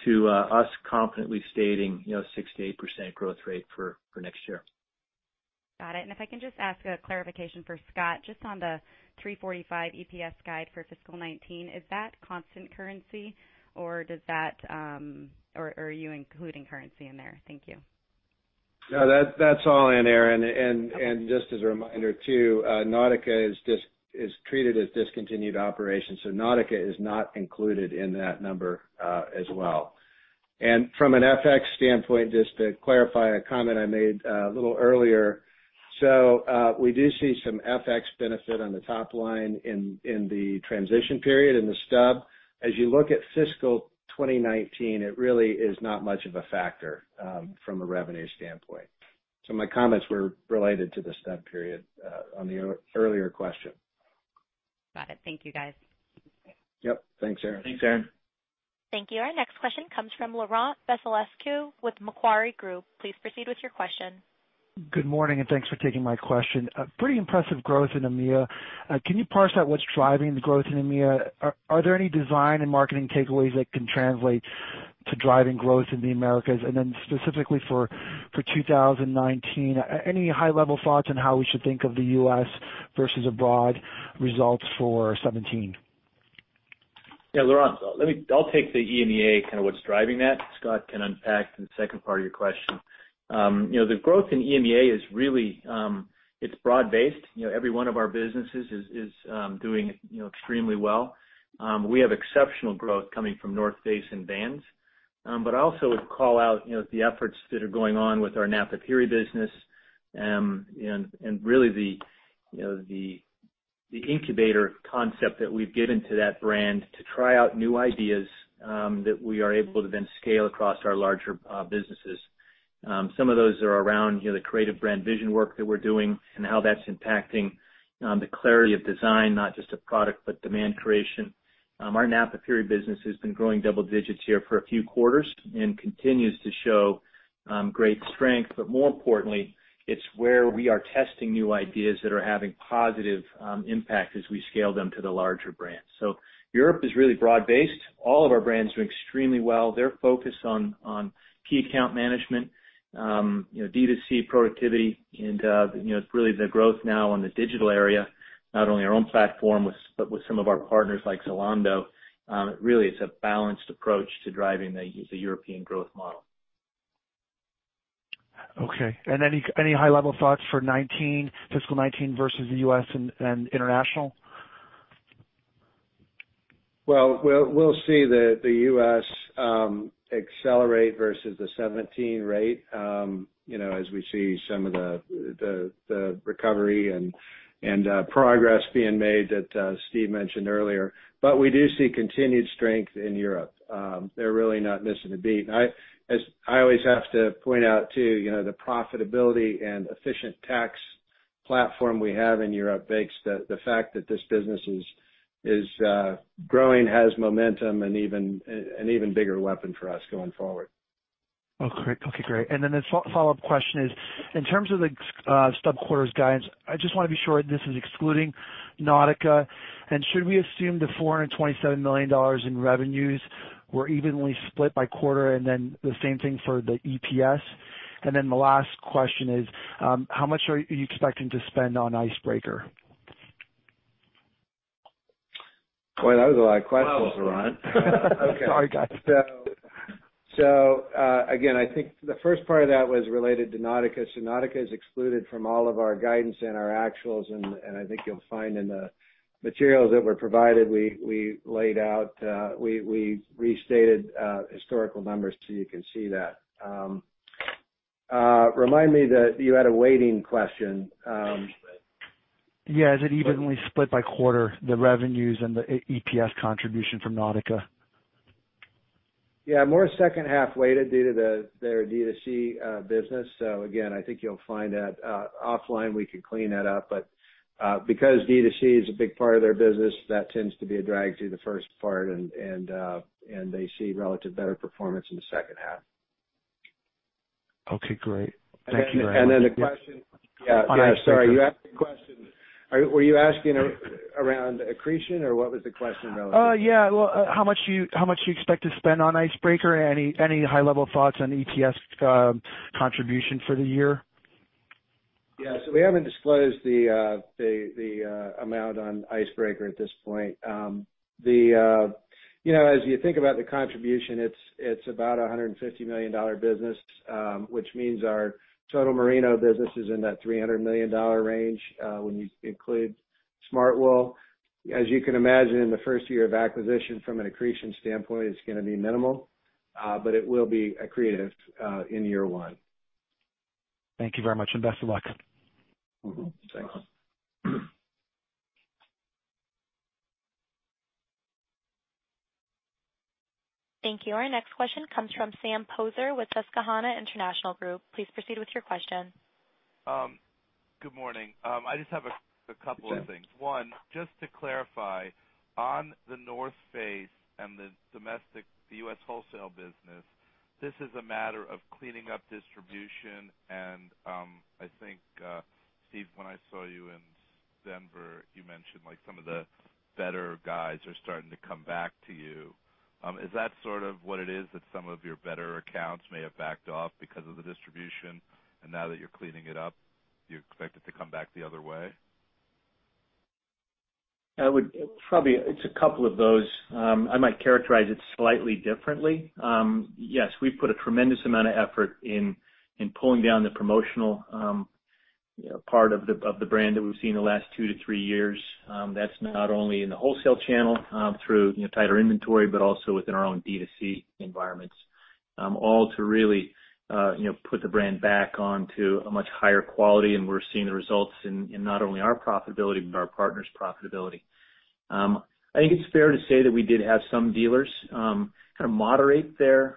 to us confidently stating 6%-8% growth rate for next year. Got it. If I can just ask a clarification for Scott, just on the $3.45 EPS guide for fiscal 2019. Is that constant currency or are you including currency in there? Thank you. No, that's all in, Erinn. Just as a reminder too, Nautica is treated as discontinued operations. Nautica is not included in that number as well. From an FX standpoint, just to clarify a comment I made a little earlier. We do see some FX benefit on the top line in the transition period, in the stub. As you look at fiscal 2019, it really is not much of a factor from a revenue standpoint. My comments were related to the stub period on the earlier question. Got it. Thank you, guys. Yep. Thanks, Erinn. Thanks, Erinn. Thank you. Our next question comes from Laurent Vasilescu with Macquarie Group. Please proceed with your question. Good morning, thanks for taking my question. A pretty impressive growth in EMEA. Can you parse out what's driving the growth in EMEA? Specifically for 2019, any high level thoughts on how we should think of the U.S. versus abroad results for 2017? Yeah, Laurent. I'll take the EMEA, what's driving that. Scott can unpack the second part of your question. The growth in EMEA, it's broad based. Every one of our businesses is doing extremely well. We have exceptional growth coming from The North Face and Vans. I also would call out the efforts that are going on with our Napapijri business, and really the incubator concept that we've given to that brand to try out new ideas that we are able to then scale across our larger businesses. Some of those are around the creative brand vision work that we're doing and how that's impacting the clarity of design, not just of product, but demand creation. Our Napapijri business has been growing double digits here for a few quarters and continues to show great strength. More importantly, it's where we are testing new ideas that are having positive impact as we scale them to the larger brands. Europe is really broad based. All of our brands do extremely well. They're focused on key account management, D2C productivity, and it's really the growth now on the digital area, not only our own platform, but with some of our partners like Zalando. Really, it's a balanced approach to driving the European growth model. Okay. Any high level thoughts for fiscal 2019 versus the U.S. and international? Well, we'll see the U.S. accelerate versus the 2017 rate as we see some of the recovery and progress being made that Steve mentioned earlier. We do see continued strength in Europe. They're really not missing a beat. I always have to point out, too, the profitability and efficient tax platform we have in Europe makes the fact that this business is growing, has momentum, an even bigger weapon for us going forward. Okay, great. The follow-up question is, in terms of the stub quarters guidance, I just want to be sure this is excluding Nautica. Should we assume the $427 million in revenues were evenly split by quarter, then the same thing for the EPS? The last question is, how much are you expecting to spend on Icebreaker? Boy, that was a lot of questions, Laurent. Sorry, guys. Again, I think the first part of that was related to Nautica. Nautica is excluded from all of our guidance and our actuals. I think you'll find in the materials that were provided, we restated historical numbers, so you can see that. Remind me that you had a weighting question. Yeah. Is it evenly split by quarter, the revenues and the EPS contribution from Nautica? Yeah, more second half weighted due to their D2C business. Again, I think you'll find that. Offline, we could clean that up. Because D2C is a big part of their business, that tends to be a drag through the first part, and they see relative better performance in the second half. Okay, great. Thank you very much. The question. Yeah. On Icebreaker. Sorry. You asked a question. Were you asking around accretion, or what was the question relevant to? How much do you expect to spend on Icebreaker? Any high level thoughts on EPS contribution for the year? We haven't disclosed the amount on Icebreaker at this point. As you think about the contribution, it's about $150 million business, which means our total Merino business is in that $300 million range, when you include Smartwool. As you can imagine, in the first year of acquisition, from an accretion standpoint, it's going to be minimal. But it will be accretive in year one. Thank you very much, best of luck. Mm-hmm. Thanks. Thank you. Our next question comes from Sam Poser with Susquehanna International Group. Please proceed with your question. Good morning. I just have a couple of things. Sure. Just to clarify, on The North Face and the domestic U.S. wholesale business, this is a matter of cleaning up distribution and I think, Steve, when I saw you in Denver, you mentioned some of the better guys are starting to come back to you. Is that sort of what it is, that some of your better accounts may have backed off because of the distribution, and now that you're cleaning it up, you expect it to come back the other way? It's a couple of those. I might characterize it slightly differently. Yes, we've put a tremendous amount of effort in pulling down the promotional part of the brand that we've seen in the last two to three years. That's not only in the wholesale channel through tighter inventory, but also within our own D2C environments. All to really put the brand back onto a much higher quality, and we're seeing the results in not only our profitability but our partners' profitability. I think it's fair to say that we did have some dealers kind of moderate their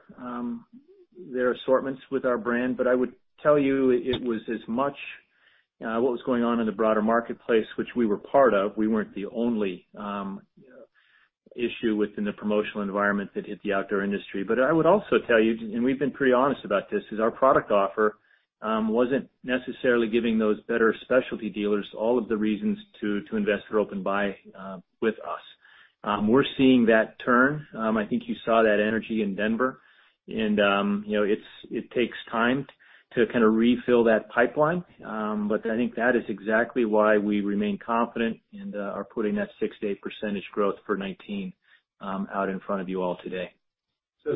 assortments with our brand, but I would tell you it was as much what was going on in the broader marketplace, which we were part of. We weren't the only issue within the promotional environment that hit the outdoor industry. I would also tell you, and we've been pretty honest about this, is our product offer wasn't necessarily giving those better specialty dealers all of the reasons to invest or open buy with us. We're seeing that turn. I think you saw that energy in Denver. It takes time to kind of refill that pipeline. I think that is exactly why we remain confident and are putting that 6% to 8% growth for 2019 out in front of you all today.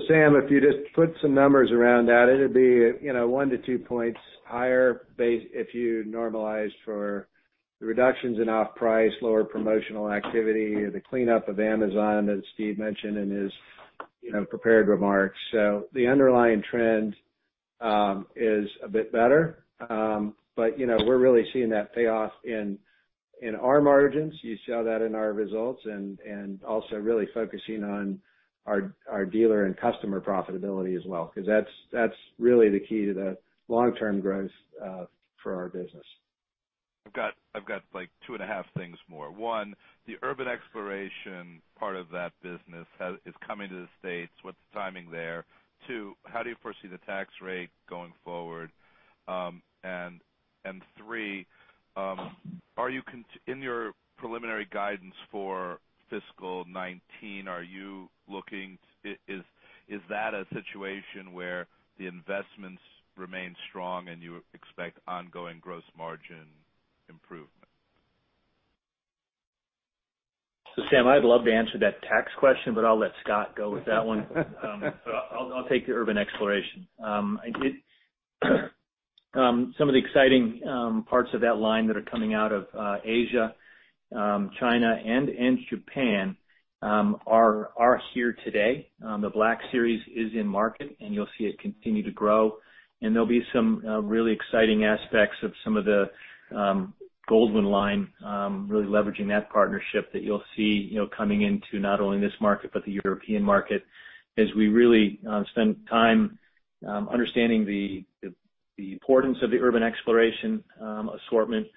Sam, if you just put some numbers around that, it'll be one to two points higher if you normalize for the reductions in off-price, lower promotional activity, the cleanup of Amazon that Steve mentioned in his prepared remarks. The underlying trend is a bit better. We're really seeing that payoff in our margins. You saw that in our results. Also really focusing on our dealer and customer profitability as well, because that's really the key to the long-term growth for our business. I've got two and a half things more. One, the Urban Exploration part of that business is coming to the U.S. What's the timing there? Two, how do you foresee the tax rate going forward? Three, in your preliminary guidance for fiscal 2019, is that a situation where the investments remain strong and you expect ongoing gross margin improvement? Sam, I'd love to answer that tax question, but I'll let Scott go with that one. I'll take the Urban Exploration. Some of the exciting parts of that line that are coming out of Asia, China, and Japan are here today. The Black Series is in market, and you'll see it continue to grow. There'll be some really exciting aspects of some of the Goldwin line, really leveraging that partnership that you'll see coming into not only this market but the European market as we really spend time understanding the importance of the Urban Exploration assortment.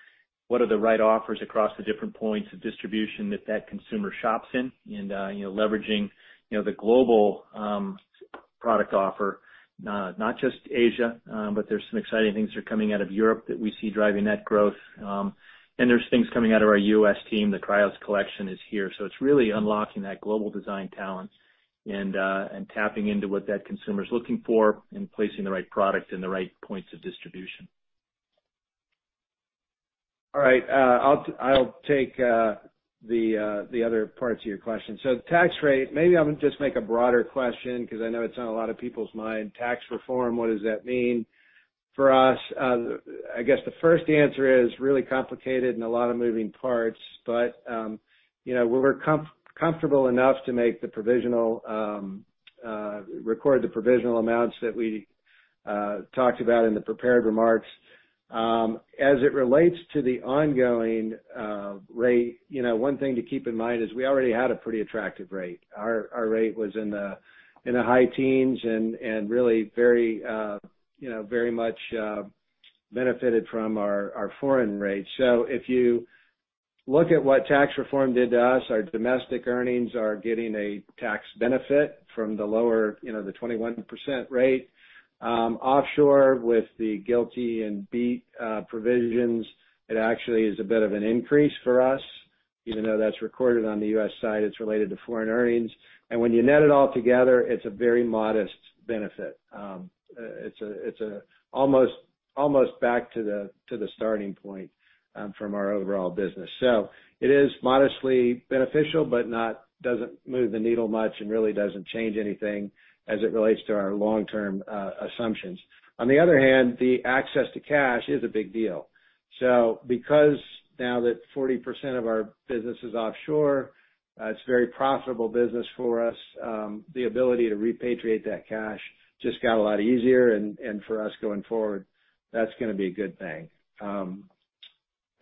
What are the right offers across the different points of distribution that that consumer shops in? Leveraging the global product offer. Not just Asia, but there's some exciting things that are coming out of Europe that we see driving that growth. There's things coming out of our U.S. team. The Cryos collection is here. It's really unlocking that global design talent and tapping into what that consumer's looking for and placing the right product in the right points of distribution. All right. I'll take the other parts of your question. The tax rate, maybe I'm going to just make a broader question because I know it's on a lot of people's mind. Tax reform, what does that mean for us? I guess the first answer is really complicated and a lot of moving parts. We're comfortable enough to record the provisional amounts that we talked about in the prepared remarks. As it relates to the ongoing rate, one thing to keep in mind is we already had a pretty attractive rate. Our rate was in the high teens and really very much benefited from our foreign rate. If you look at what tax reform did to us. Our domestic earnings are getting a tax benefit from the lower 21% rate. Offshore, with the GILTI and BEAT provisions, it actually is a bit of an increase for us. Even though that's recorded on the U.S. side, it's related to foreign earnings. When you net it all together, it's a very modest benefit. It's almost back to the starting point from our overall business. It is modestly beneficial, but doesn't move the needle much and really doesn't change anything as it relates to our long-term assumptions. On the other hand, the access to cash is a big deal. Because now that 40% of our business is offshore, it's very profitable business for us. The ability to repatriate that cash just got a lot easier, and for us going forward, that's going to be a good thing.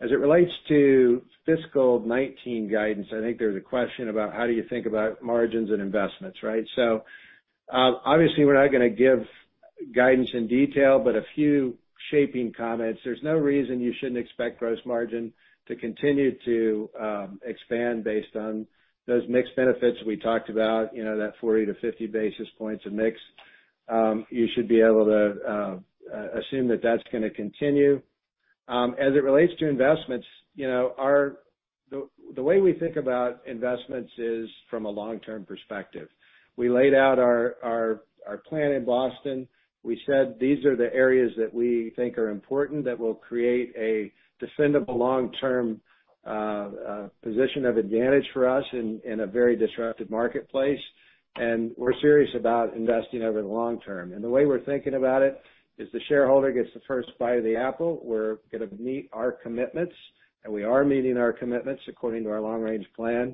As it relates to fiscal 2019 guidance, I think there was a question about how do you think about margins and investments, right? Obviously we're not going to give guidance in detail, but a few shaping comments. There's no reason you shouldn't expect gross margin to continue to expand based on those mix benefits we talked about, that 40 to 50 basis points of mix. You should be able to assume that that's going to continue. As it relates to investments, the way we think about investments is from a long-term perspective. We laid out our plan in Boston. We said these are the areas that we think are important, that will create a defendable long-term position of advantage for us in a very disruptive marketplace, and we're serious about investing over the long term. The way we're thinking about it is the shareholder gets the first bite of the apple. We're going to meet our commitments, we are meeting our commitments according to our long-range plan.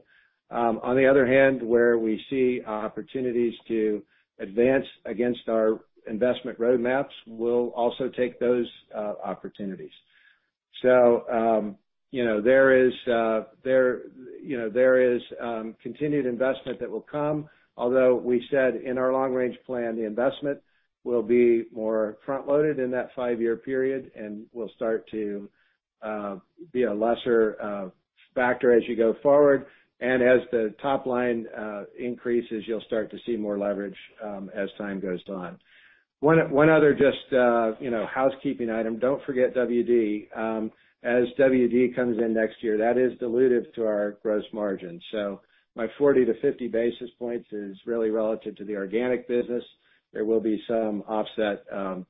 On the other hand, where we see opportunities to advance against our investment roadmaps, we'll also take those opportunities. There is continued investment that will come, although we said in our long-range plan, the investment will be more front-loaded in that five-year period and will start to be a lesser factor as you go forward. As the top line increases, you'll start to see more leverage as time goes on. One other just housekeeping item. Don't forget WD. As WD comes in next year, that is dilutive to our gross margin. My 40 to 50 basis points is really relative to the organic business. There will be some offset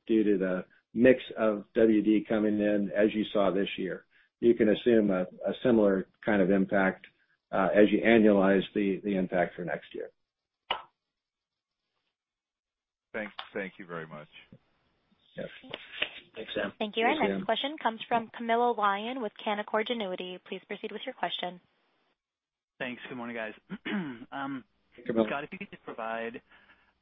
due to the mix of WD coming in as you saw this year. You can assume a similar kind of impact as you annualize the impact for next year. Thank you very much. Yes. Thanks, Sam. Thank you. Our next question comes from Camilo Lyon with Canaccord Genuity. Please proceed with your question. Thanks. Good morning, guys. Hey, Camilo. Scott, if you could just provide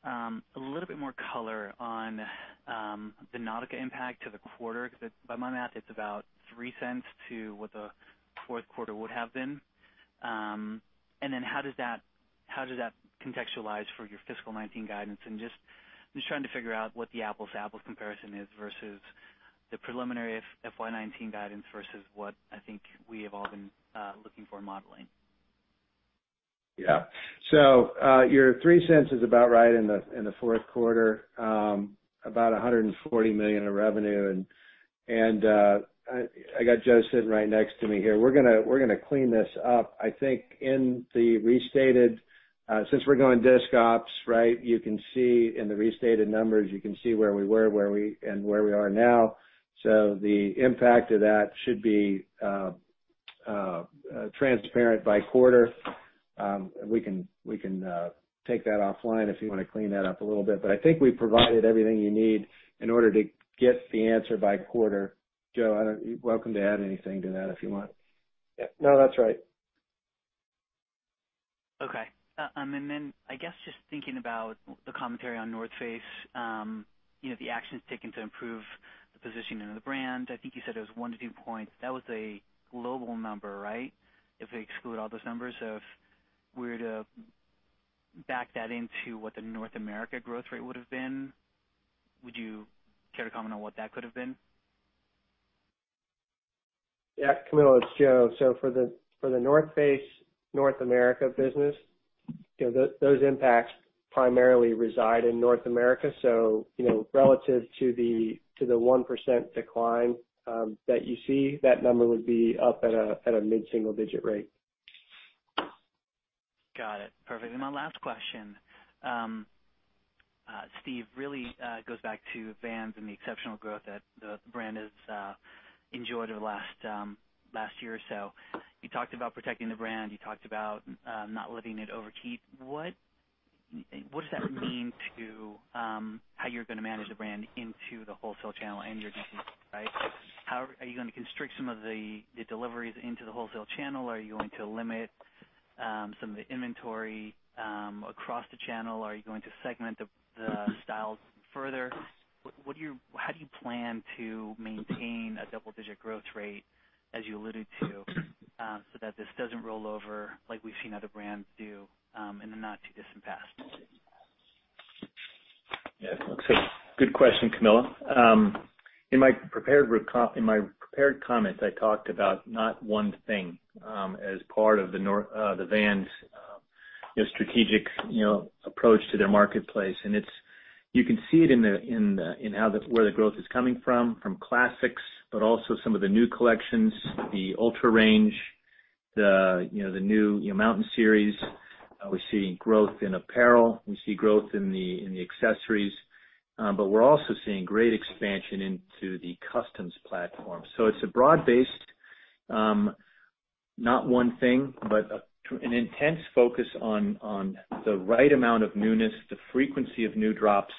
a little bit more color on the Nautica impact to the quarter, because by my math, it is about $0.03 to what the fourth quarter would have been. How does that contextualize for your fiscal 2019 guidance? Just trying to figure out what the apples to apples comparison is versus the preliminary FY 2019 guidance versus what I think we have all been looking for in modeling. Yeah. Your $0.03 is about right in the fourth quarter, about $140 million of revenue. I got Joe sitting right next to me here. We're going to clean this up. I think in the restated, since we're going discontinued operations, you can see in the restated numbers, you can see where we were and where we are now. The impact of that should be transparent by quarter. We can take that offline if you want to clean that up a little bit, I think we provided everything you need in order to get the answer by quarter. Joe, you're welcome to add anything to that if you want. Yeah. No, that's right. Okay. I guess just thinking about the commentary on North Face, the actions taken to improve the positioning of the brand. I think you said it was one to two points. That was a global number, right? If we exclude all those numbers, if we were to back that into what the North America growth rate would have been, would you care to comment on what that could have been? Camilo, it's Joe. For The North Face North America business, those impacts primarily reside in North America. Relative to the 1% decline that you see, that number would be up at a mid-single-digit rate. Got it. Perfect. My last question, Steve, really goes back to Vans and the exceptional growth that the brand has enjoyed over the last year or so. You talked about protecting the brand. You talked about not letting it overheat. What does that mean to how you're going to manage the brand into the wholesale channel and your D2C, right? Are you going to constrict some of the deliveries into the wholesale channel? Are you going to limit some of the inventory across the channel? Are you going to segment the styles further? How do you plan to maintain a double-digit growth rate, as you alluded to, so that this doesn't roll over like we've seen other brands do in the not-too-distant past? Yeah. Good question, Camilo. In my prepared comments, I talked about not one thing as part of the Vans strategic approach to their marketplace. You can see it in where the growth is coming from classics, but also some of the new collections, the UltraRange, the new Mountain Edition. We're seeing growth in apparel. We see growth in the accessories. We're also seeing great expansion into the customs platform. It's a broad-based, not one thing, but an intense focus on the right amount of newness, the frequency of new drops.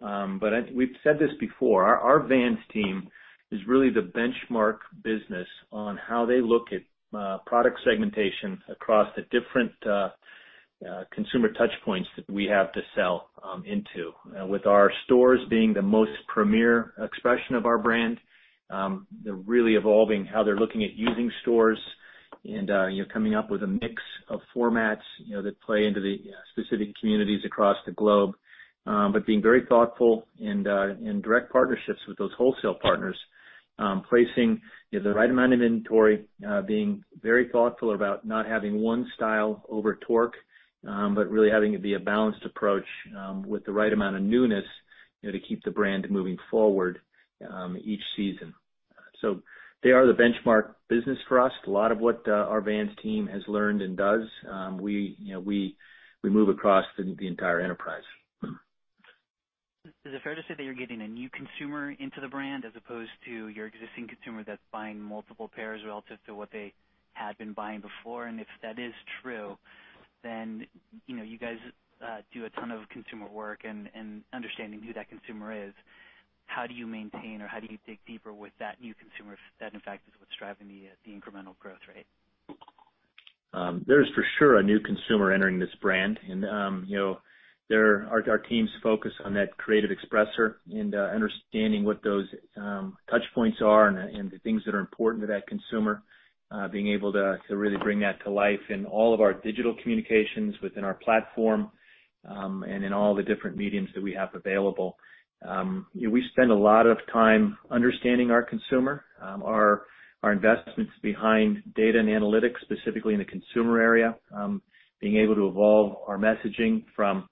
We've said this before. Our Vans team is really the benchmark business on how they look at product segmentation across the different consumer touch points that we have to sell into. With our stores being the most premier expression of our brand, they're really evolving how they're looking at using stores and coming up with a mix of formats that play into the specific communities across the globe. Being very thoughtful in direct partnerships with those wholesale partners, placing the right amount of inventory, being very thoughtful about not having one style over torque, but really having it be a balanced approach with the right amount of newness to keep the brand moving forward each season. They are the benchmark business for us. A lot of what our Vans team has learned and does, we move across the entire enterprise. Is it fair to say that you're getting a new consumer into the brand as opposed to your existing consumer that's buying multiple pairs relative to what they had been buying before? If that is true, you guys do a ton of consumer work and understanding who that consumer is. How do you maintain or how do you dig deeper with that new consumer if that, in fact, is what's driving the incremental growth rate? There is for sure a new consumer entering this brand. Our teams focus on that creative expressor and understanding what those touch points are and the things that are important to that consumer, being able to really bring that to life in all of our digital communications within our platform, and in all the different mediums that we have available. We spend a lot of time understanding our consumer, our investments behind data and analytics, specifically in the consumer area. Being able to evolve our messaging from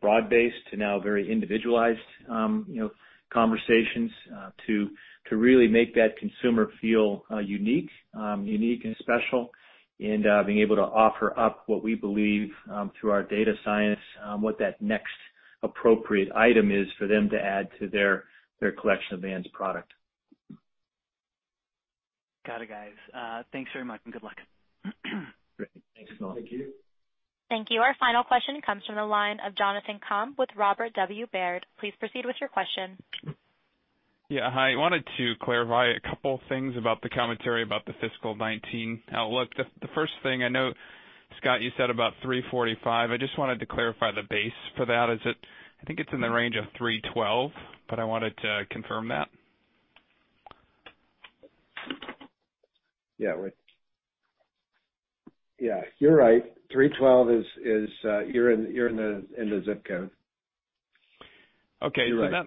broad-based to now very individualized conversations, to really make that consumer feel unique and special, and being able to offer up what we believe through our data science, what that next appropriate item is for them to add to their collection of Vans product. Got it, guys. Thanks very much and good luck. Great. Thanks, Camilo. Thank you. Thank you. Our final question comes from the line of Jonathan Komp with Robert W. Baird. Please proceed with your question. Yeah. Hi. Wanted to clarify a couple things about the commentary about the fiscal 2019 outlook. The first thing I know, Scott, you said about 345. I just wanted to clarify the base for that. I think it's in the range of 312, but I wanted to confirm that. Yeah. You're right. 312 is you're in the ZIP code. Okay. You're right.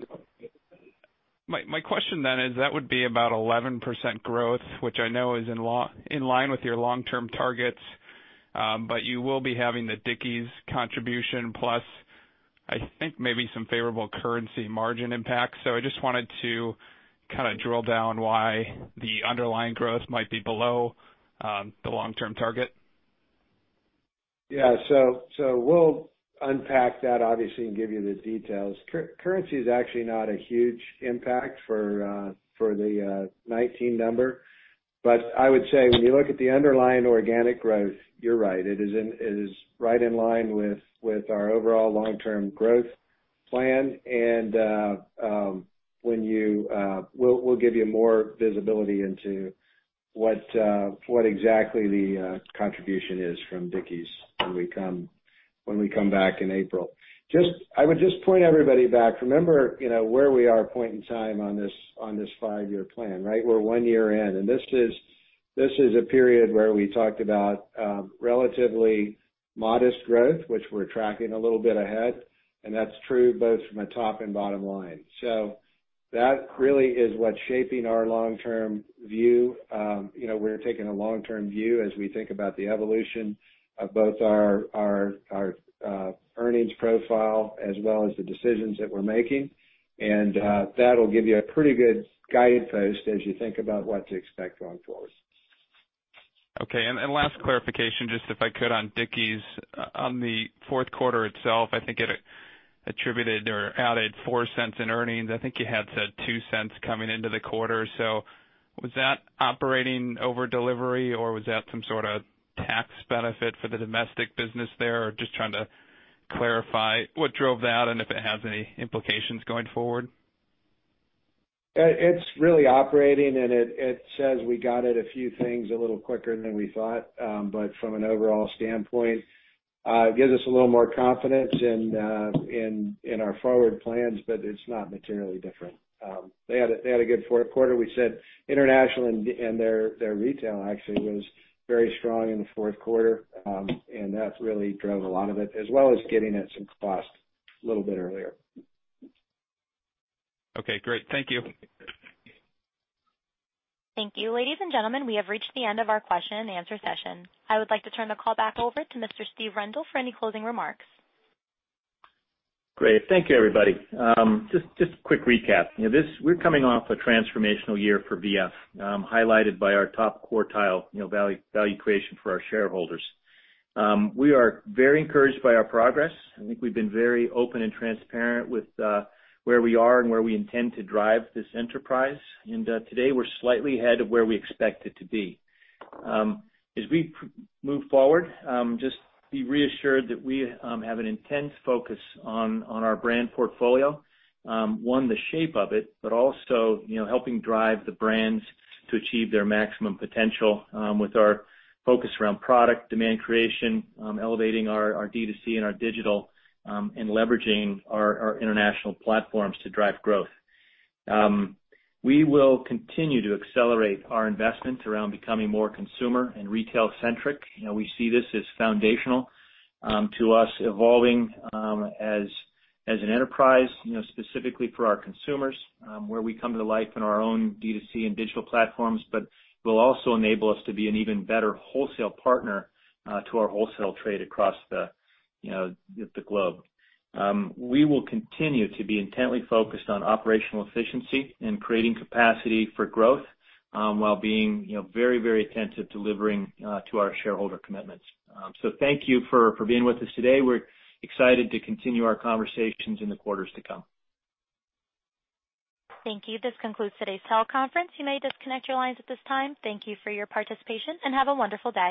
My question is that would be about 11% growth, which I know is in line with your long-term targets. You will be having the Dickies contribution plus, I think maybe some favorable currency margin impact. I just wanted to drill down why the underlying growth might be below the long-term target. Yeah. We'll unpack that, obviously, and give you the details. Currency is actually not a huge impact for the 2019 number. I would say when you look at the underlying organic growth, you're right. It is right in line with our overall long-term growth plan. We'll give you more visibility into what exactly the contribution is from Dickies when we come back in April. I would just point everybody back. Remember where we are point in time on this five-year plan, right? We're one year in. This is a period where we talked about relatively modest growth, which we're tracking a little bit ahead, and that's true both from a top and bottom line. That really is what's shaping our long-term view. We're taking a long-term view as we think about the evolution of both our earnings profile as well as the decisions that we're making. That'll give you a pretty good guidepost as you think about what to expect going forward. Okay, last clarification, just if I could, on Dickies. On the fourth quarter itself, I think it attributed or added $0.04 in earnings. I think you had said $0.02 coming into the quarter. Was that operating over delivery or was that some sort of tax benefit for the domestic business there? Just trying to clarify what drove that and if it has any implications going forward. It's really operating, it says we got at a few things a little quicker than we thought. From an overall standpoint, it gives us a little more confidence in our forward plans, but it's not materially different. They had a good fourth quarter. We said international and their retail actually was very strong in the fourth quarter. That really drove a lot of it, as well as getting at some cost a little bit earlier. Okay, great. Thank you. Thank you. Ladies and gentlemen, we have reached the end of our question and answer session. I would like to turn the call back over to Mr. Steve Rendle for any closing remarks. Great. Thank you, everybody. Just a quick recap. We're coming off a transformational year for V.F., highlighted by our top quartile value creation for our shareholders. We are very encouraged by our progress. I think we've been very open and transparent with where we are and where we intend to drive this enterprise. Today, we're slightly ahead of where we expected to be. As we move forward, just be reassured that we have an intense focus on our brand portfolio. One, the shape of it, but also helping drive the brands to achieve their maximum potential with our focus around product demand creation, elevating our D2C and our digital, and leveraging our international platforms to drive growth. We will continue to accelerate our investment around becoming more consumer and retail-centric. We see this as foundational to us evolving as an enterprise, specifically for our consumers, where we come to life in our own D2C and digital platforms, but will also enable us to be an even better wholesale partner to our wholesale trade across the globe. We will continue to be intently focused on operational efficiency and creating capacity for growth while being very attentive delivering to our shareholder commitments. Thank you for being with us today. We're excited to continue our conversations in the quarters to come. Thank you. This concludes today's teleconference. You may disconnect your lines at this time. Thank you for your participation, and have a wonderful day.